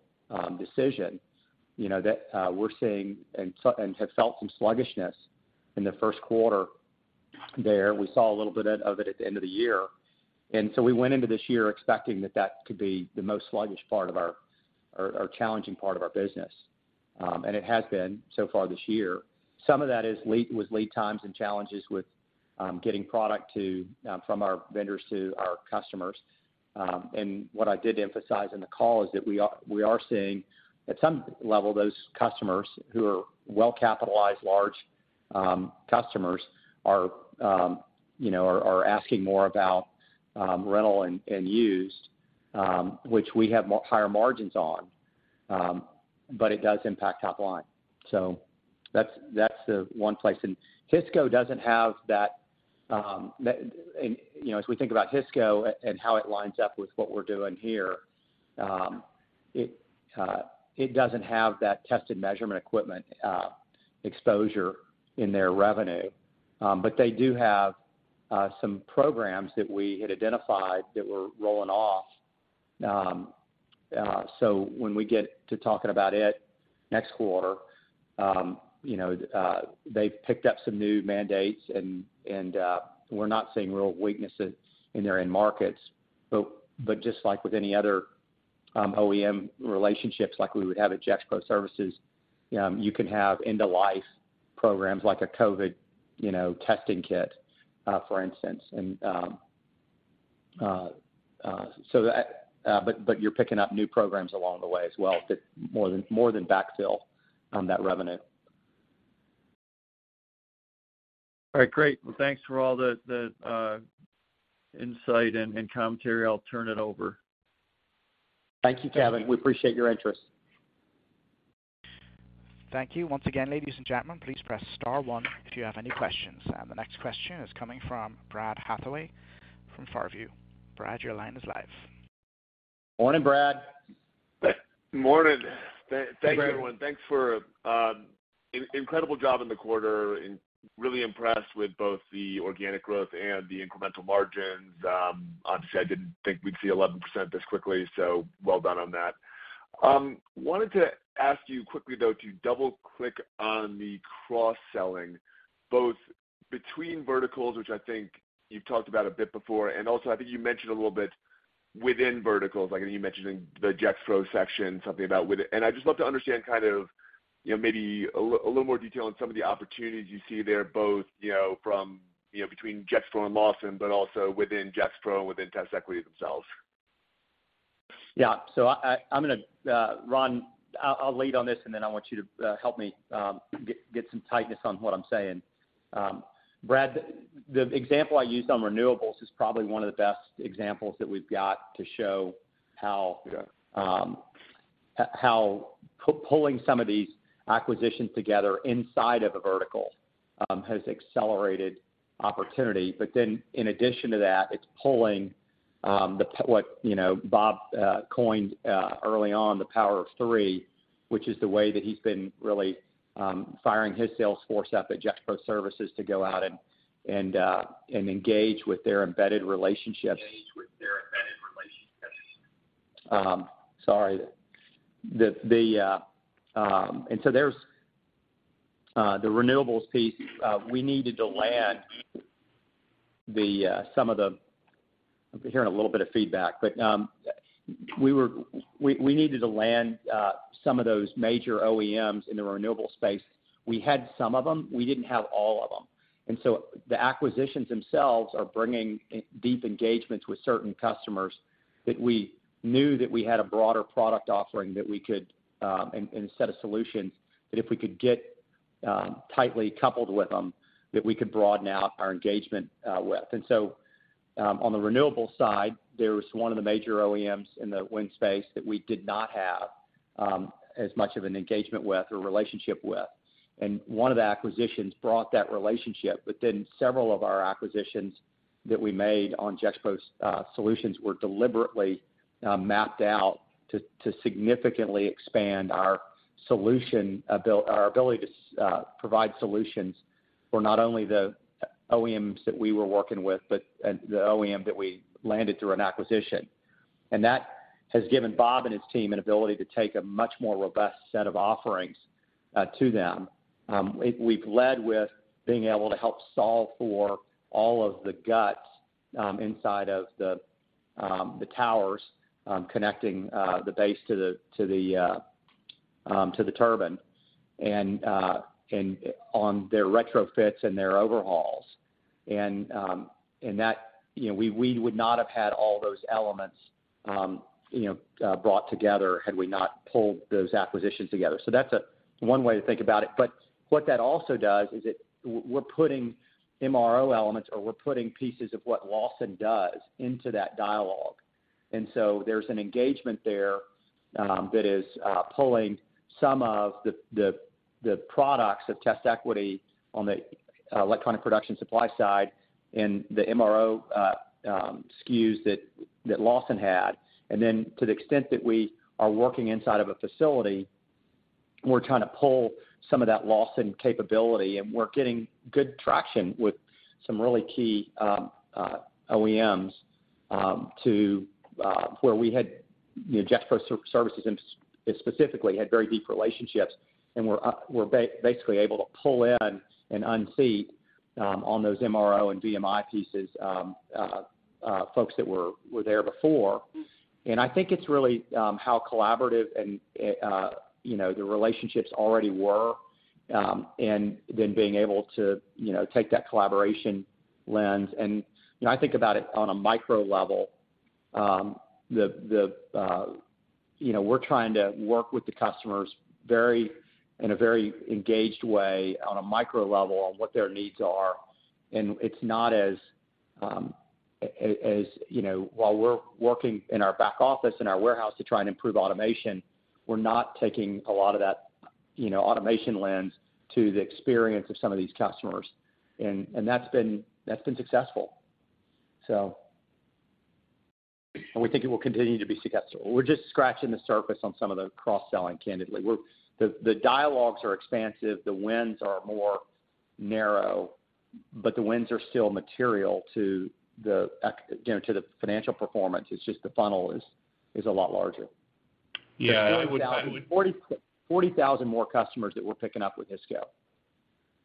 decision, you know, that we're seeing and have felt some sluggishness in the first quarter there. We saw a little bit of it at the end of the year. We went into this year expecting that that could be the most sluggish part of our, or challenging part of our business. It has been so far this year. Some of that is with lead times and challenges with getting product to, from our vendors to our customers. What I did emphasize in the call is that we are seeing at some level, those customers who are well capitalized, large customers are, you know, asking more about rental and used, which we have higher margins on, but it does impact top line. That's the one place. Hisco doesn't have that. You know, as we think about Hisco and how it lines up with what we're doing here, it doesn't have that test and measurement equipment exposure in their revenue. They do have some programs that we had identified that were rolling off. When we get to talking about it next quarter, you know, they've picked up some new mandates and we're not seeing real weaknesses in their end markets. Just like with any other OEM relationships like we would have at Gexpro Services, you can have end of life programs like a COVID, you know, testing kit for instance. You're picking up new programs along the way as well that more than backfill that revenue. All right. Great. Well, thanks for all the insight and commentary. I'll turn it over. Thank you, Kevin. We appreciate your interest. Thank you. Once again, ladies and gentlemen, please press star one if you have any questions. The next question is coming from Brad Hathaway from Far View. Brad, your line is live. Morning, Brad. Morning. Thank everyone. Hey, Brad. Thanks for incredible job in the quarter and really impressed with both the organic growth and the incremental margins. Obviously, I didn't think we'd see 11% this quickly, so well done on that. Wanted to ask you quickly, though, to double-click on the cross-selling, both between verticals, which I think you've talked about a bit before, and also I think you mentioned a little bit within verticals, like I know you mentioned in the Gexpro section something about with it. I'd just love to understand kind of, you know, maybe a little more detail on some of the opportunities you see there, both, you know, from, you know, between Gexpro and Lawson, but also within Gexpro and within TestEquity themselves. Yeah. I'm gonna, Ron, I'll lead on this, and then I want you to help me get some tightness on what I'm saying. Brad, the example I used on renewables is probably one of the best examples that we've got to show how. Sure ...how pulling some of these acquisitions together inside of a vertical has accelerated opportunity. In addition to that, it's pulling the what, you know, Bob coined early on, the power of three, which is the way that he's been really firing his sales force up at Gexpro Services to go out and engage with their embedded relationships. Sorry. The... There's the renewables piece, we needed to land the some of the... I'm hearing a little bit of feedback. We needed to land some of those major OEMs in the renewable space. We had some of them, we didn't have all of them. The acquisitions themselves are bringing deep engagements with certain customers that we knew that we had a broader product offering that we could, and a set of solutions that if we could get tightly coupled with them, that we could broaden out our engagement with. On the renewable side, there was one of the major OEMs in the wind space that we did not have as much of an engagement with or relationship with. One of the acquisitions brought that relationship, but then several of our acquisitions that we made on Gexpro's solutions were deliberately mapped out to significantly expand our ability to provide solutions for not only the OEMs that we were working with, but the OEM that we landed through an acquisition. That has given Bob and his team an ability to take a much more robust set of offerings to them. We've led with being able to help solve for all of the guts inside of the towers, connecting the base to the turbine and on their retrofits and their overhauls. That, you know, we would not have had all those elements, you know, brought together had we not pulled those acquisitions together. That's one way to think about it. What that also does is we're putting MRO elements or we're putting pieces of what Lawson does into that dialogue. There's an engagement there that is pulling some of the products of TestEquity on the Electronic Production Supplies side and the MRO SKUs that Lawson had. Then to the extent that we are working inside of a facility, we're trying to pull some of that Lawson capability, and we're getting good traction with some really key OEMs to where we had, you know, Gexpro Services specifically had very deep relationships and were basically able to pull in and unseat on those MRO and VMI pieces folks that were there before. I think it's really how collaborative and, you know, the relationships already were, and then being able to, you know, take that collaboration lens. You know, I think about it on a micro level, you know, we're trying to work with the customers very, in a very engaged way on a micro level on what their needs are. It's not as, you know, while we're working in our back office in our warehouse to try and improve automation, we're not taking a lot of that, you know, automation lens to the experience of some of these customers. That's been successful. We think it will continue to be successful. We're just scratching the surface on some of the cross-selling, candidly. The dialogues are expansive, the wins are more narrow, but the wins are still material to the you know, to the financial performance. It's just the funnel is a lot larger. Yeah. 40,000 more customers that we're picking up with this scale.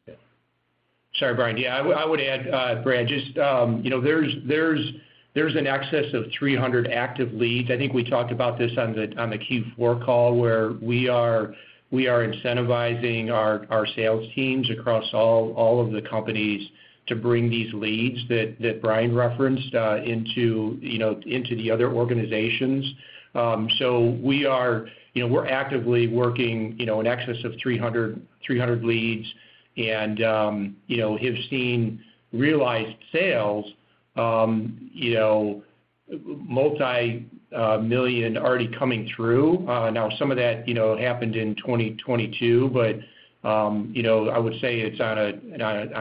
Yeah. Sorry, Brian. Yeah. I would add, Brad, just, you know, there's an excess of 300 active leads. I think we talked about this on the Q4 call, where we are incentivizing our sales teams across all of the companies to bring these leads that Brian referenced, into, you know, into the other organizations. We are, you know, we're actively working, you know, in excess of 300 leads and, you know, have seen realized sales, you know, multi-million already coming through. Now some of that, you know, happened in 2022, but, you know, I would say it's on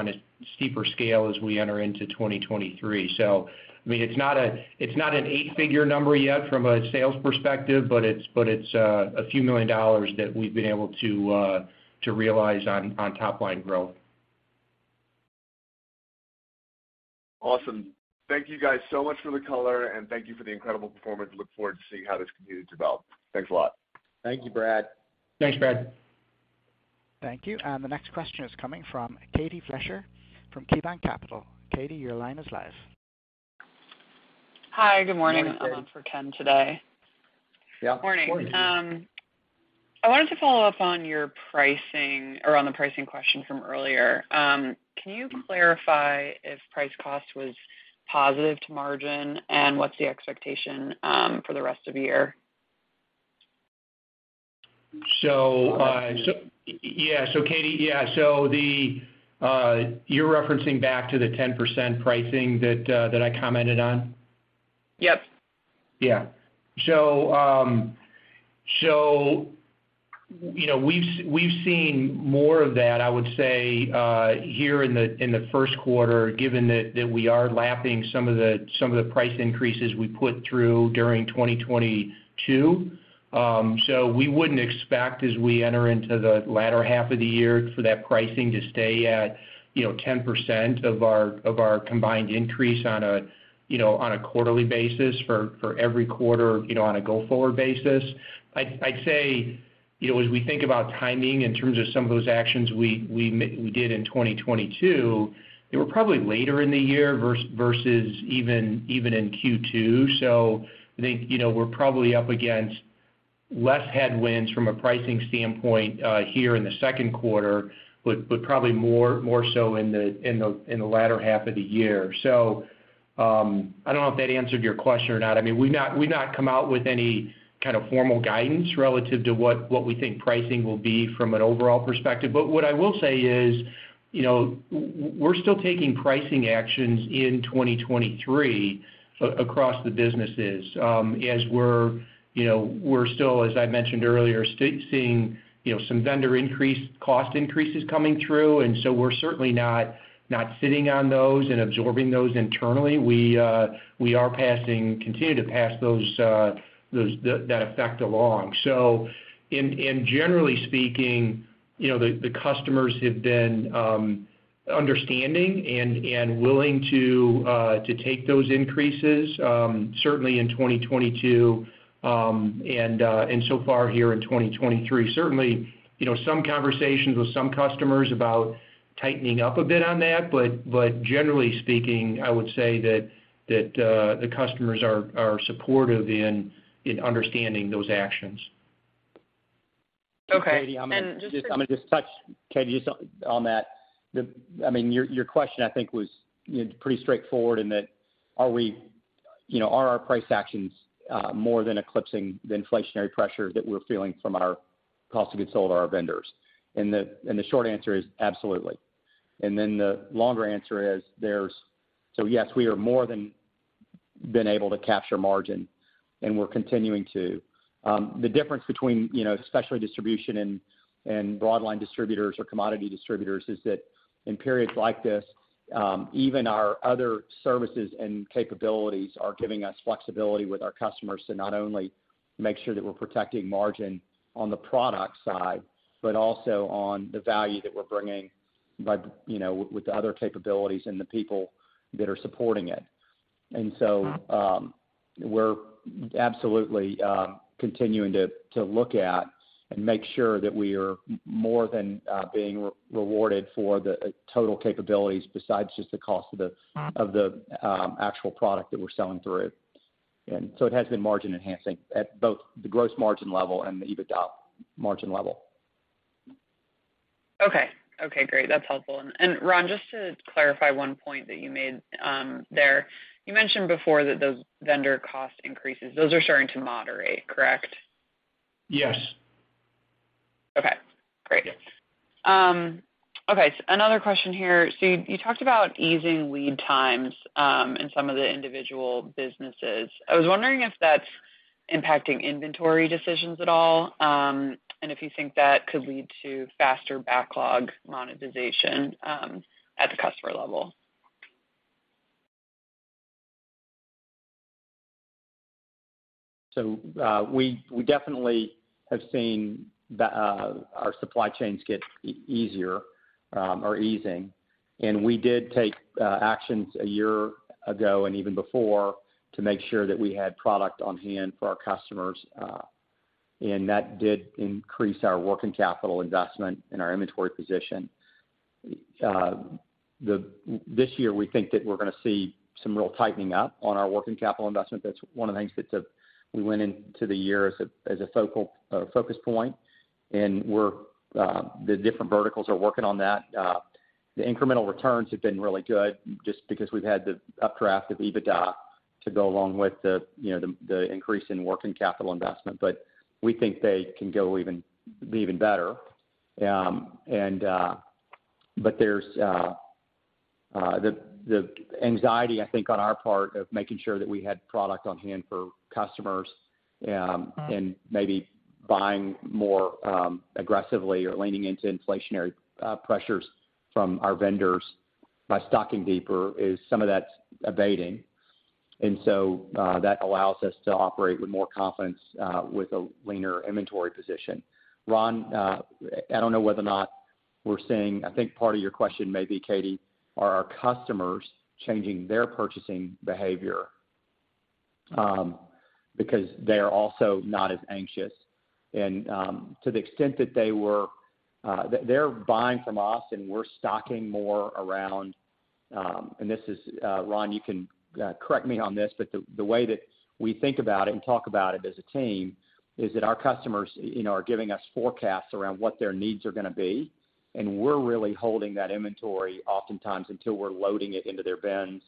a steeper scale as we enter into 2023. I mean, it's not an eight-figure number yet from a sales perspective, but it's a few million dollars that we've been able to realize on top line growth. Awesome. Thank you guys so much for the color, thank you for the incredible performance. Look forward to seeing how this continues to develop. Thanks a lot. Thank you, Brad. Thanks, Brad. Thank you. The next question is coming from Katie Fleischer from KeyBanc Capital Markets. Katie, your line is live. Hi, good morning. Good morning, Katie. I'm on for Ken today. Yeah. Morning. I wanted to follow up on your pricing or on the pricing question from earlier. Can you clarify if price cost was positive to margin, and what's the expectation for the rest of the year? Yeah. Katie, yeah, so the, you're referencing back to the 10% pricing that I commented on? Yep. Yeah. you know, we've seen more of that, I would say, here in the first quarter, given that we are lapping some of the price increases we put through during 2022. We wouldn't expect as we enter into the latter half of the year for that pricing to stay at, you know, 10% of our combined increase on a, you know, on a quarterly basis for every quarter, you know, on a go-forward basis. I'd say, you know, as we think about timing in terms of some of those actions we did in 2022, they were probably later in the year versus even in Q2. I think, you know, we're probably up against less headwinds from a pricing standpoint here in the second quarter, but probably more so in the latter half of the year. I don't know if that answered your question or not. I mean, we've not come out with any kind of formal guidance relative to what we think pricing will be from an overall perspective. What I will say is, you know, we're still taking pricing actions in 2023 across the businesses, as we're, you know, we're still, as I mentioned earlier, seeing, you know, some vendor increase, cost increases coming through, and so we're certainly not sitting on those and absorbing those internally. We are passing, continue to pass those, that effect along. Generally speaking, you know, the customers have been understanding and willing to take those increases, certainly in 2022, and so far here in 2023. Certainly, you know, some conversations with some customers about tightening up a bit on that. Generally speaking, I would say that the customers are supportive in understanding those actions. Okay. Just to- Katie, I'm gonna just touch, Katie, just on that. I mean, your question I think was, you know, pretty straightforward in that are we, you know, are our price actions more than eclipsing the inflationary pressures that we're feeling from our cost of goods sold to our vendors? The short answer is absolutely. The longer answer is yes, we are more than been able to capture margin, and we're continuing to. The difference between, you know, especially distribution and broad line distributors or commodity distributors is that in periods like this, even our other services and capabilities are giving us flexibility with our customers to not only make sure that we're protecting margin on the product side, but also on the value that we're bringing by, you know, with the other capabilities and the people that are supporting it. We're absolutely continuing to look at and make sure that we are more than being rewarded for the total capabilities besides just the cost of the actual product that we're selling through. It has been margin enhancing at both the gross margin level and the EBITDA margin level. Okay. Okay, great. That's helpful. Ron, just to clarify one point that you made, there. You mentioned before that those vendor cost increases, those are starting to moderate, correct? Yes. Okay, great. Yes. Okay, another question here. You, you talked about easing lead times in some of the individual businesses. I was wondering if that's impacting inventory decisions at all, and if you think that could lead to faster backlog monetization at the customer level. We definitely have seen the our supply chains get easier or easing. We did take actions a year ago and even before to make sure that we had product on-hand for our customers, and that did increase our working capital investment and our inventory position. The this year we think that we're gonna see some real tightening up on our working capital investment. That's one of the things that we went into the year as a, as a focal focus point, and we're the different verticals are working on that. The incremental returns have been really good just because we've had the updraft of EBITDA to go along with the, you know, the increase in working capital investment. We think they can be even better. There's the anxiety I think on our part of making sure that we had product on-hand for customers. Maybe buying more aggressively or leaning into inflationary pressures from our vendors by stocking deeper is some of that's abating. That allows us to operate with more confidence with a leaner inventory position. Ron, I don't know whether or not we're seeing. I think part of your question may be, Katie, are our customers changing their purchasing behavior because they are also not as anxious. To the extent that they're buying from us, and we're stocking more around, this is Ron, you can correct me on this. The way that we think about it and talk about it as a team is that our customers, you know, are giving us forecasts around what their needs are gonna be, and we're really holding that inventory oftentimes until we're loading it into their bins,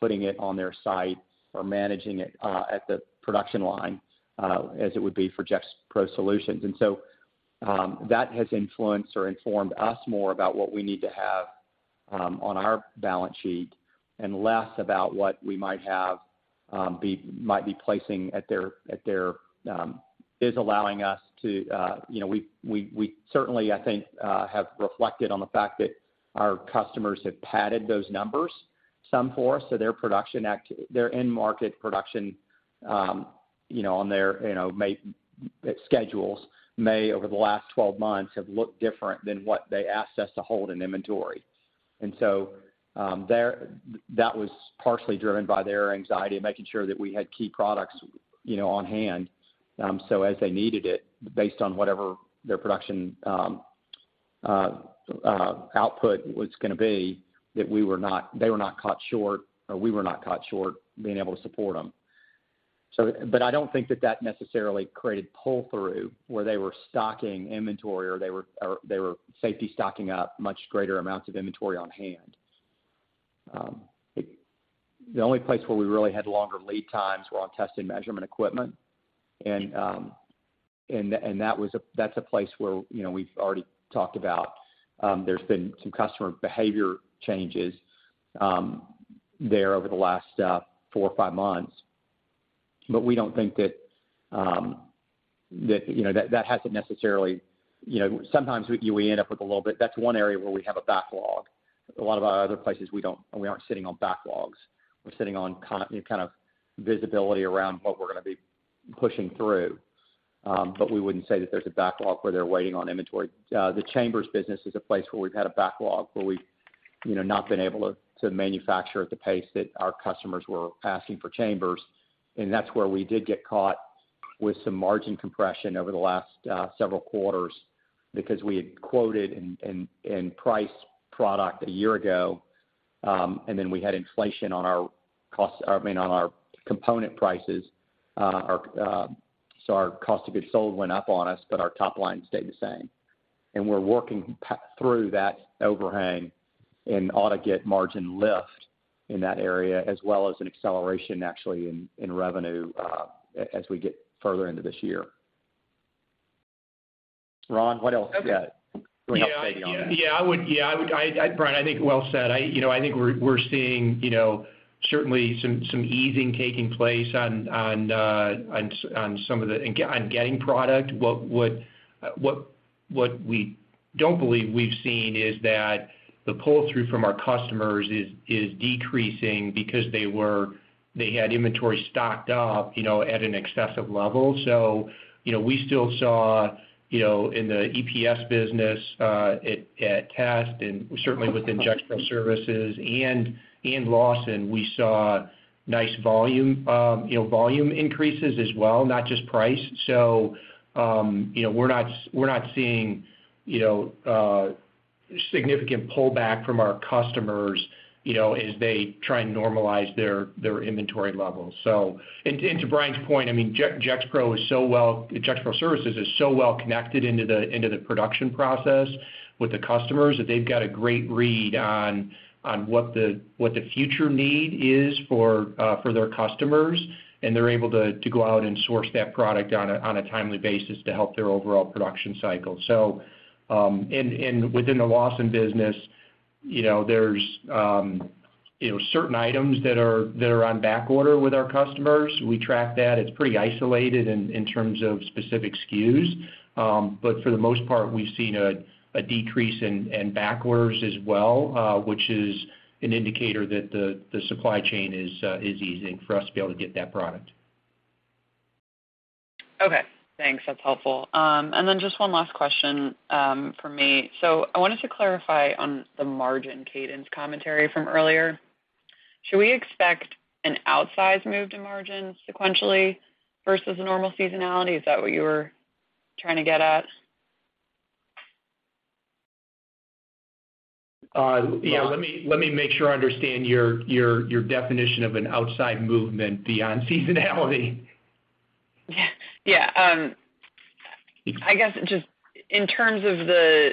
putting it on their sites or managing it at the production line, as it would be for Gexpro Services. That has influenced or informed us more about what we need to have on our balance sheet and less about what we might have might be placing at their... Is allowing us to, you know, we certainly, I think, have reflected on the fact that our customers have padded those numbers some for us. Their end market production, you know, on their, you know, schedules may, over the last 12 months, have looked different than what they asked us to hold in inventory. That was partially driven by their anxiety in making sure that we had key products, you know, on hand, so as they needed it, based on whatever their production output was gonna be, they were not caught short, or we were not caught short being able to support them. But I don't think that that necessarily created pull-through, where they were stocking inventory or they were safety stocking up much greater amounts of inventory on hand. The only place where we really had longer lead times were on test and measurement equipment. That's a place where, you know, we've already talked about, there's been some customer behavior changes, there over the last four or five months. We don't think that, you know, that hasn't necessarily... You know, sometimes we end up with a little bit. That's 1 area where we have a backlog. A lot of our other places we don't, and we aren't sitting on backlogs. We're sitting on, you know, kind of visibility around what we're gonna be pushing through. We wouldn't say that there's a backlog where they're waiting on inventory. The chambers business is a place where we've had a backlog, where we've, you know, not been able to manufacture at the pace that our customers were asking for chambers. That's where we did get caught with some margin compression over the last several quarters because we had quoted and priced product a year ago, and then we had inflation on our costs, or I mean, on our component prices. Our so our cost of goods sold went up on us, but our top line stayed the same. We're working through that overhang and ought to get margin lift in that area as well as an acceleration actually in revenue as we get further into this year. Ron, what else you got to help maybe on that? Okay. Yeah, I would. I, Bryan, I think well said. I, you know, I think we're seeing, you know, certainly some easing taking place on some of the. On getting product. What we don't believe we've seen is that the pull-through from our customers is decreasing because they had inventory stocked up, you know, at an excessive level. You know, we still saw, you know, in the EPS business, at Test and certainly with the Gexpro Services and in Lawson, we saw nice volume, you know, volume increases as well, not just price. You know, we're not seeing, you know, significant pullback from our customers, you know, as they try and normalize their inventory levels. And to Bryan's point, I mean, Gexpro Services is so well connected into the production process with the customers that they've got a great read on what the future need is for their customers, and they're able to go out and source that product on a timely basis to help their overall production cycle. And within the Lawson business, you know, there's, you know, certain items that are on backorder with our customers. We track that. It's pretty isolated in terms of specific SKUs. But for the most part, we've seen a decrease in backorders as well, which is an indicator that the supply chain is easing for us to be able to get that product. Okay. Thanks. That's helpful. Just one last question, from me. I wanted to clarify on the margin cadence commentary from earlier. Should we expect an outsized move to margin sequentially versus the normal seasonality? Is that what you were trying to get at? Yeah. Ron? Let me make sure I understand your definition of an outside movement beyond seasonality. Yeah. Yeah. I guess just in terms of the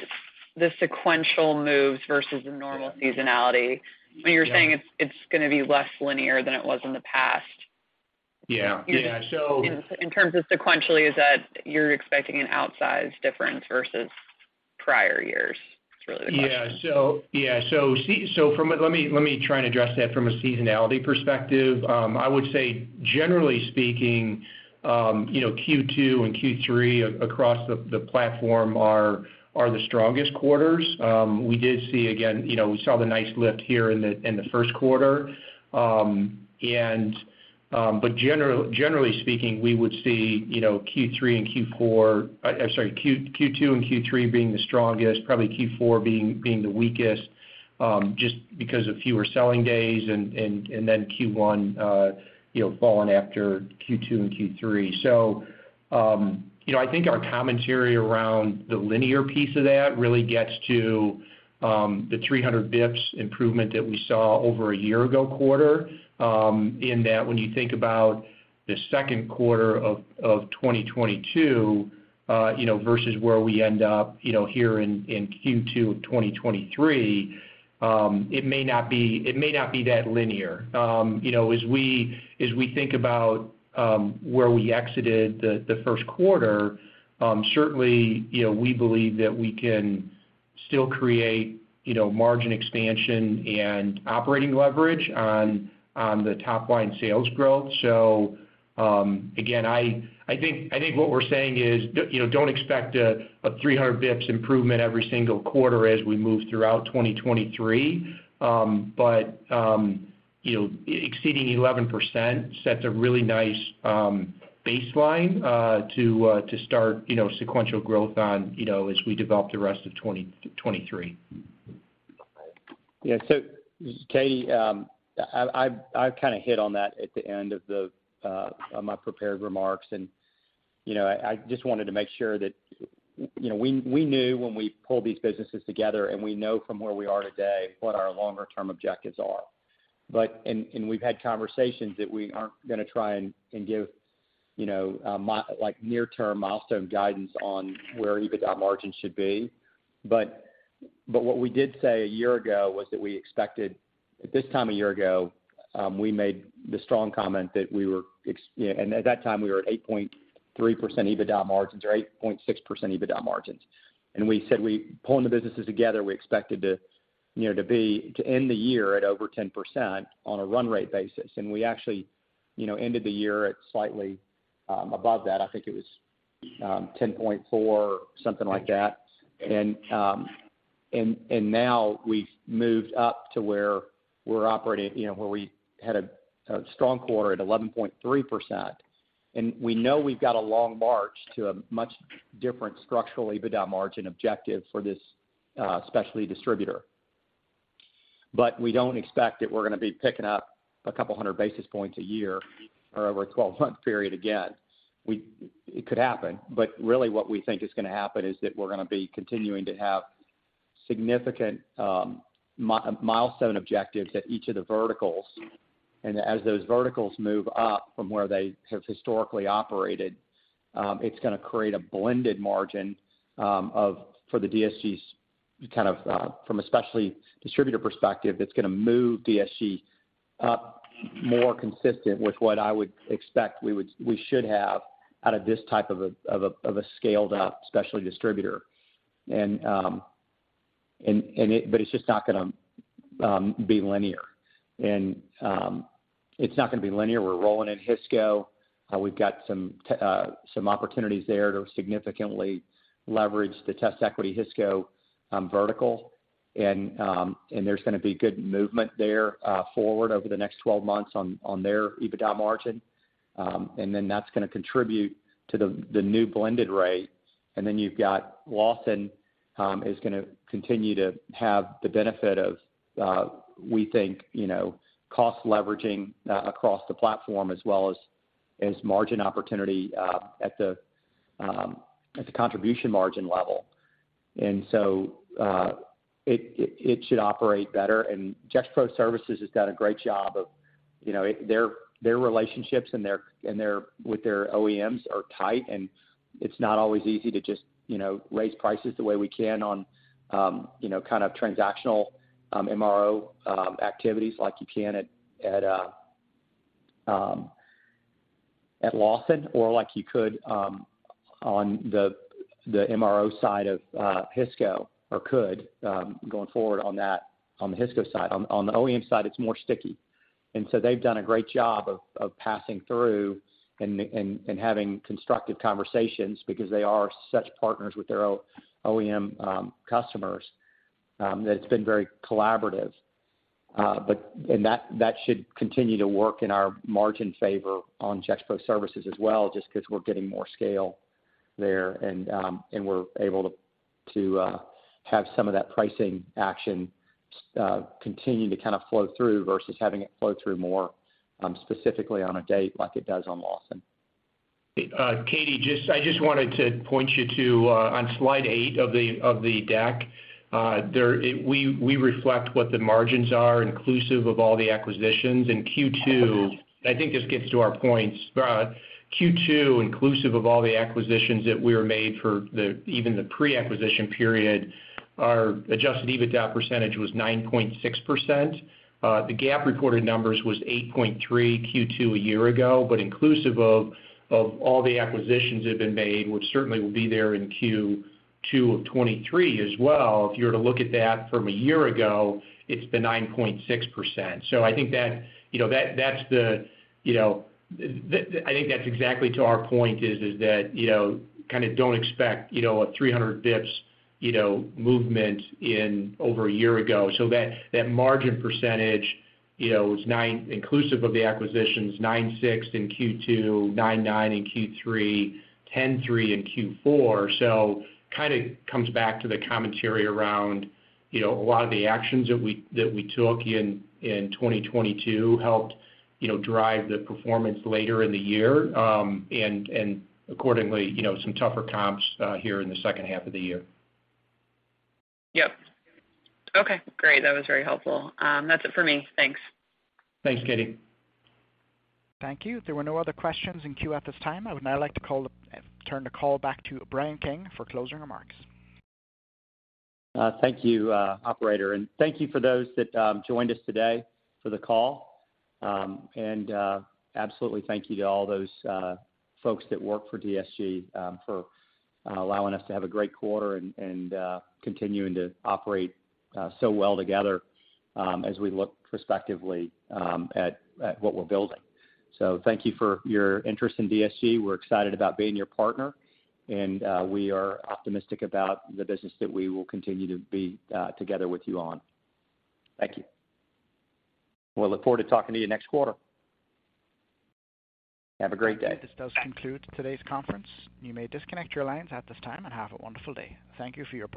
sequential moves versus the normal seasonality. Yeah. When you're saying it's gonna be less linear than it was in the past. Yeah. Yeah. In terms of sequentially, is that you're expecting an outsized difference versus prior years is really the question? Yeah. Yeah. Let me try and address that from a seasonality perspective. I would say generally speaking, you know, Q2 and Q3 across the platform are the strongest quarters. We did see, again, you know, we saw the nice lift here in the first quarter. Generally speaking, we would see, you know, Q3 and Q4... I'm sorry, Q2 and Q3 being the strongest, probably Q4 being the weakest, just because of fewer selling days and then Q1, you know, falling after Q2 and Q3. You know, I think our commentary around the linear piece of that really gets to the 300 basis points improvement that we saw over a year ago quarter, in that when you think about the second quarter of 2022, you know, versus where we end up, you know, here in Q2 of 2023, it may not be that linear. You know, as we think about where we exited the first quarter, certainly, you know, we believe that we can still create, you know, margin expansion and operating leverage on the top line sales growth. Again, I think what we're saying is, you know, don't expect a 300 basis points improvement every single quarter as we move throughout 2023. You know, exceeding 11% sets a really nice baseline to start, you know, sequential growth on, you know, as we develop the rest of 2023. Yeah. Katie, I've kinda hit on that at the end of the on my prepared remarks. You know, I just wanted to make sure that, you know, we knew when we pulled these businesses together, and we know from where we are today what our longer term objectives are. We've had conversations that we aren't gonna try and give, you know, like near-term milestone guidance on where EBITDA margins should be. What we did say a year ago was that we expected At this time a year ago, we made the strong comment that we were You know, and at that time, we were at 8.3% EBITDA margins or 8.6% EBITDA margins. We said pulling the businesses together, we expected to, you know, to end the year at over 10% on a run rate basis. We actually, you know, ended the year at slightly above that. I think it was 10.4%, something like that. Now we've moved up to where we're operating, you know, where we had a strong quarter at 11.3%. We know we've got a long march to a much different structural EBITDA margin objective for this specialty distributor. We don't expect that we're gonna be picking up a couple hundred basis points a year or over a 12-month period again. It could happen, but really what we think is gonna happen is that we're gonna be continuing to have significant milestone objectives at each of the verticals. As those verticals move up from where they have historically operated, it's gonna create a blended margin for the DSG's kind of from a specialty distributor perspective, it's gonna move DSG up more consistent with what I would expect we should have out of this type of a scaled up specialty distributor. It's just not gonna be linear. It's not gonna be linear. We're rolling in Hisco. We've got some opportunities there to significantly leverage the TestEquity Hisco vertical. There's gonna be good movement there, forward over the next 12 months on their EBITDA margin. That's gonna contribute to the new blended rate. You've got Lawson, is gonna continue to have the benefit of, we think, you know, cost leveraging across the platform as well as margin opportunity, at the contribution margin level. It should operate better. Gexpro Services has done a great job of, you know, their relationships and their with their OEMs are tight, and it's not always easy to just, you know, raise prices the way we can on, you know, kind of transactional MRO activities like you can at Lawson or like you could on the MRO side of Hisco or could going forward on that, on the Hisco side. On the OEM side, it's more sticky. They've done a great job of passing through and having constructive conversations because they are such partners with their OEM customers that it's been very collaborative. That should continue to work in our margin favor on Gexpro Services as well, just 'cause we're getting more scale there, and we're able to have some of that pricing action continue to kind of flow through versus having it flow through more specifically on a date like it does on Lawson. Katie, I just wanted to point you to on slide eight of the deck, we reflect what the margins are inclusive of all the acquisitions. In Q2, I think this gets to our points. Q2, inclusive of all the acquisitions that we were made even the pre-acquisition period, our Adjusted EBITDA percentage was 9.6%. The GAAP reported numbers was 8.3% Q2 a year ago, but inclusive of all the acquisitions that have been made, which certainly will be there in Q2 of 2023 as well. If you were to look at that from a year ago, it's the 9.6%. I think that, you know, that's the, you know, I think that's exactly to our point is that, you know, kinda don't expect, you know, a 300 bips, you know, movement in over a year ago. That margin percentage, you know, was 9% inclusive of the acquisitions, 9.6% in Q2, 9.9% in Q3, 10.3% in Q4. Kinda comes back to the commentary around, you know, a lot of the actions that we took in 2022 helped, you know, drive the performance later in the year, and accordingly, you know, some tougher comps here in the second half of the year. Yep. Okay, great. That was very helpful. That's it for me. Thanks. Thanks, Katie. Thank you. There were no other questions in queue at this time. I would now like to turn the call back to Bryan King for closing remarks. Thank you, Operator. Thank you for those that joined us today for the call. Absolutely thank you to all those folks that work for DSG for allowing us to have a great quarter and continuing to operate so well together as we look prospectively at what we're building. Thank you for your interest in DSG. We're excited about being your partner, we are optimistic about the business that we will continue to be together with you on. Thank you. We'll look forward to talking to you next quarter. Have a great day. This does conclude today's conference. You may disconnect your lines at this time and have a wonderful day. Thank you for your participation.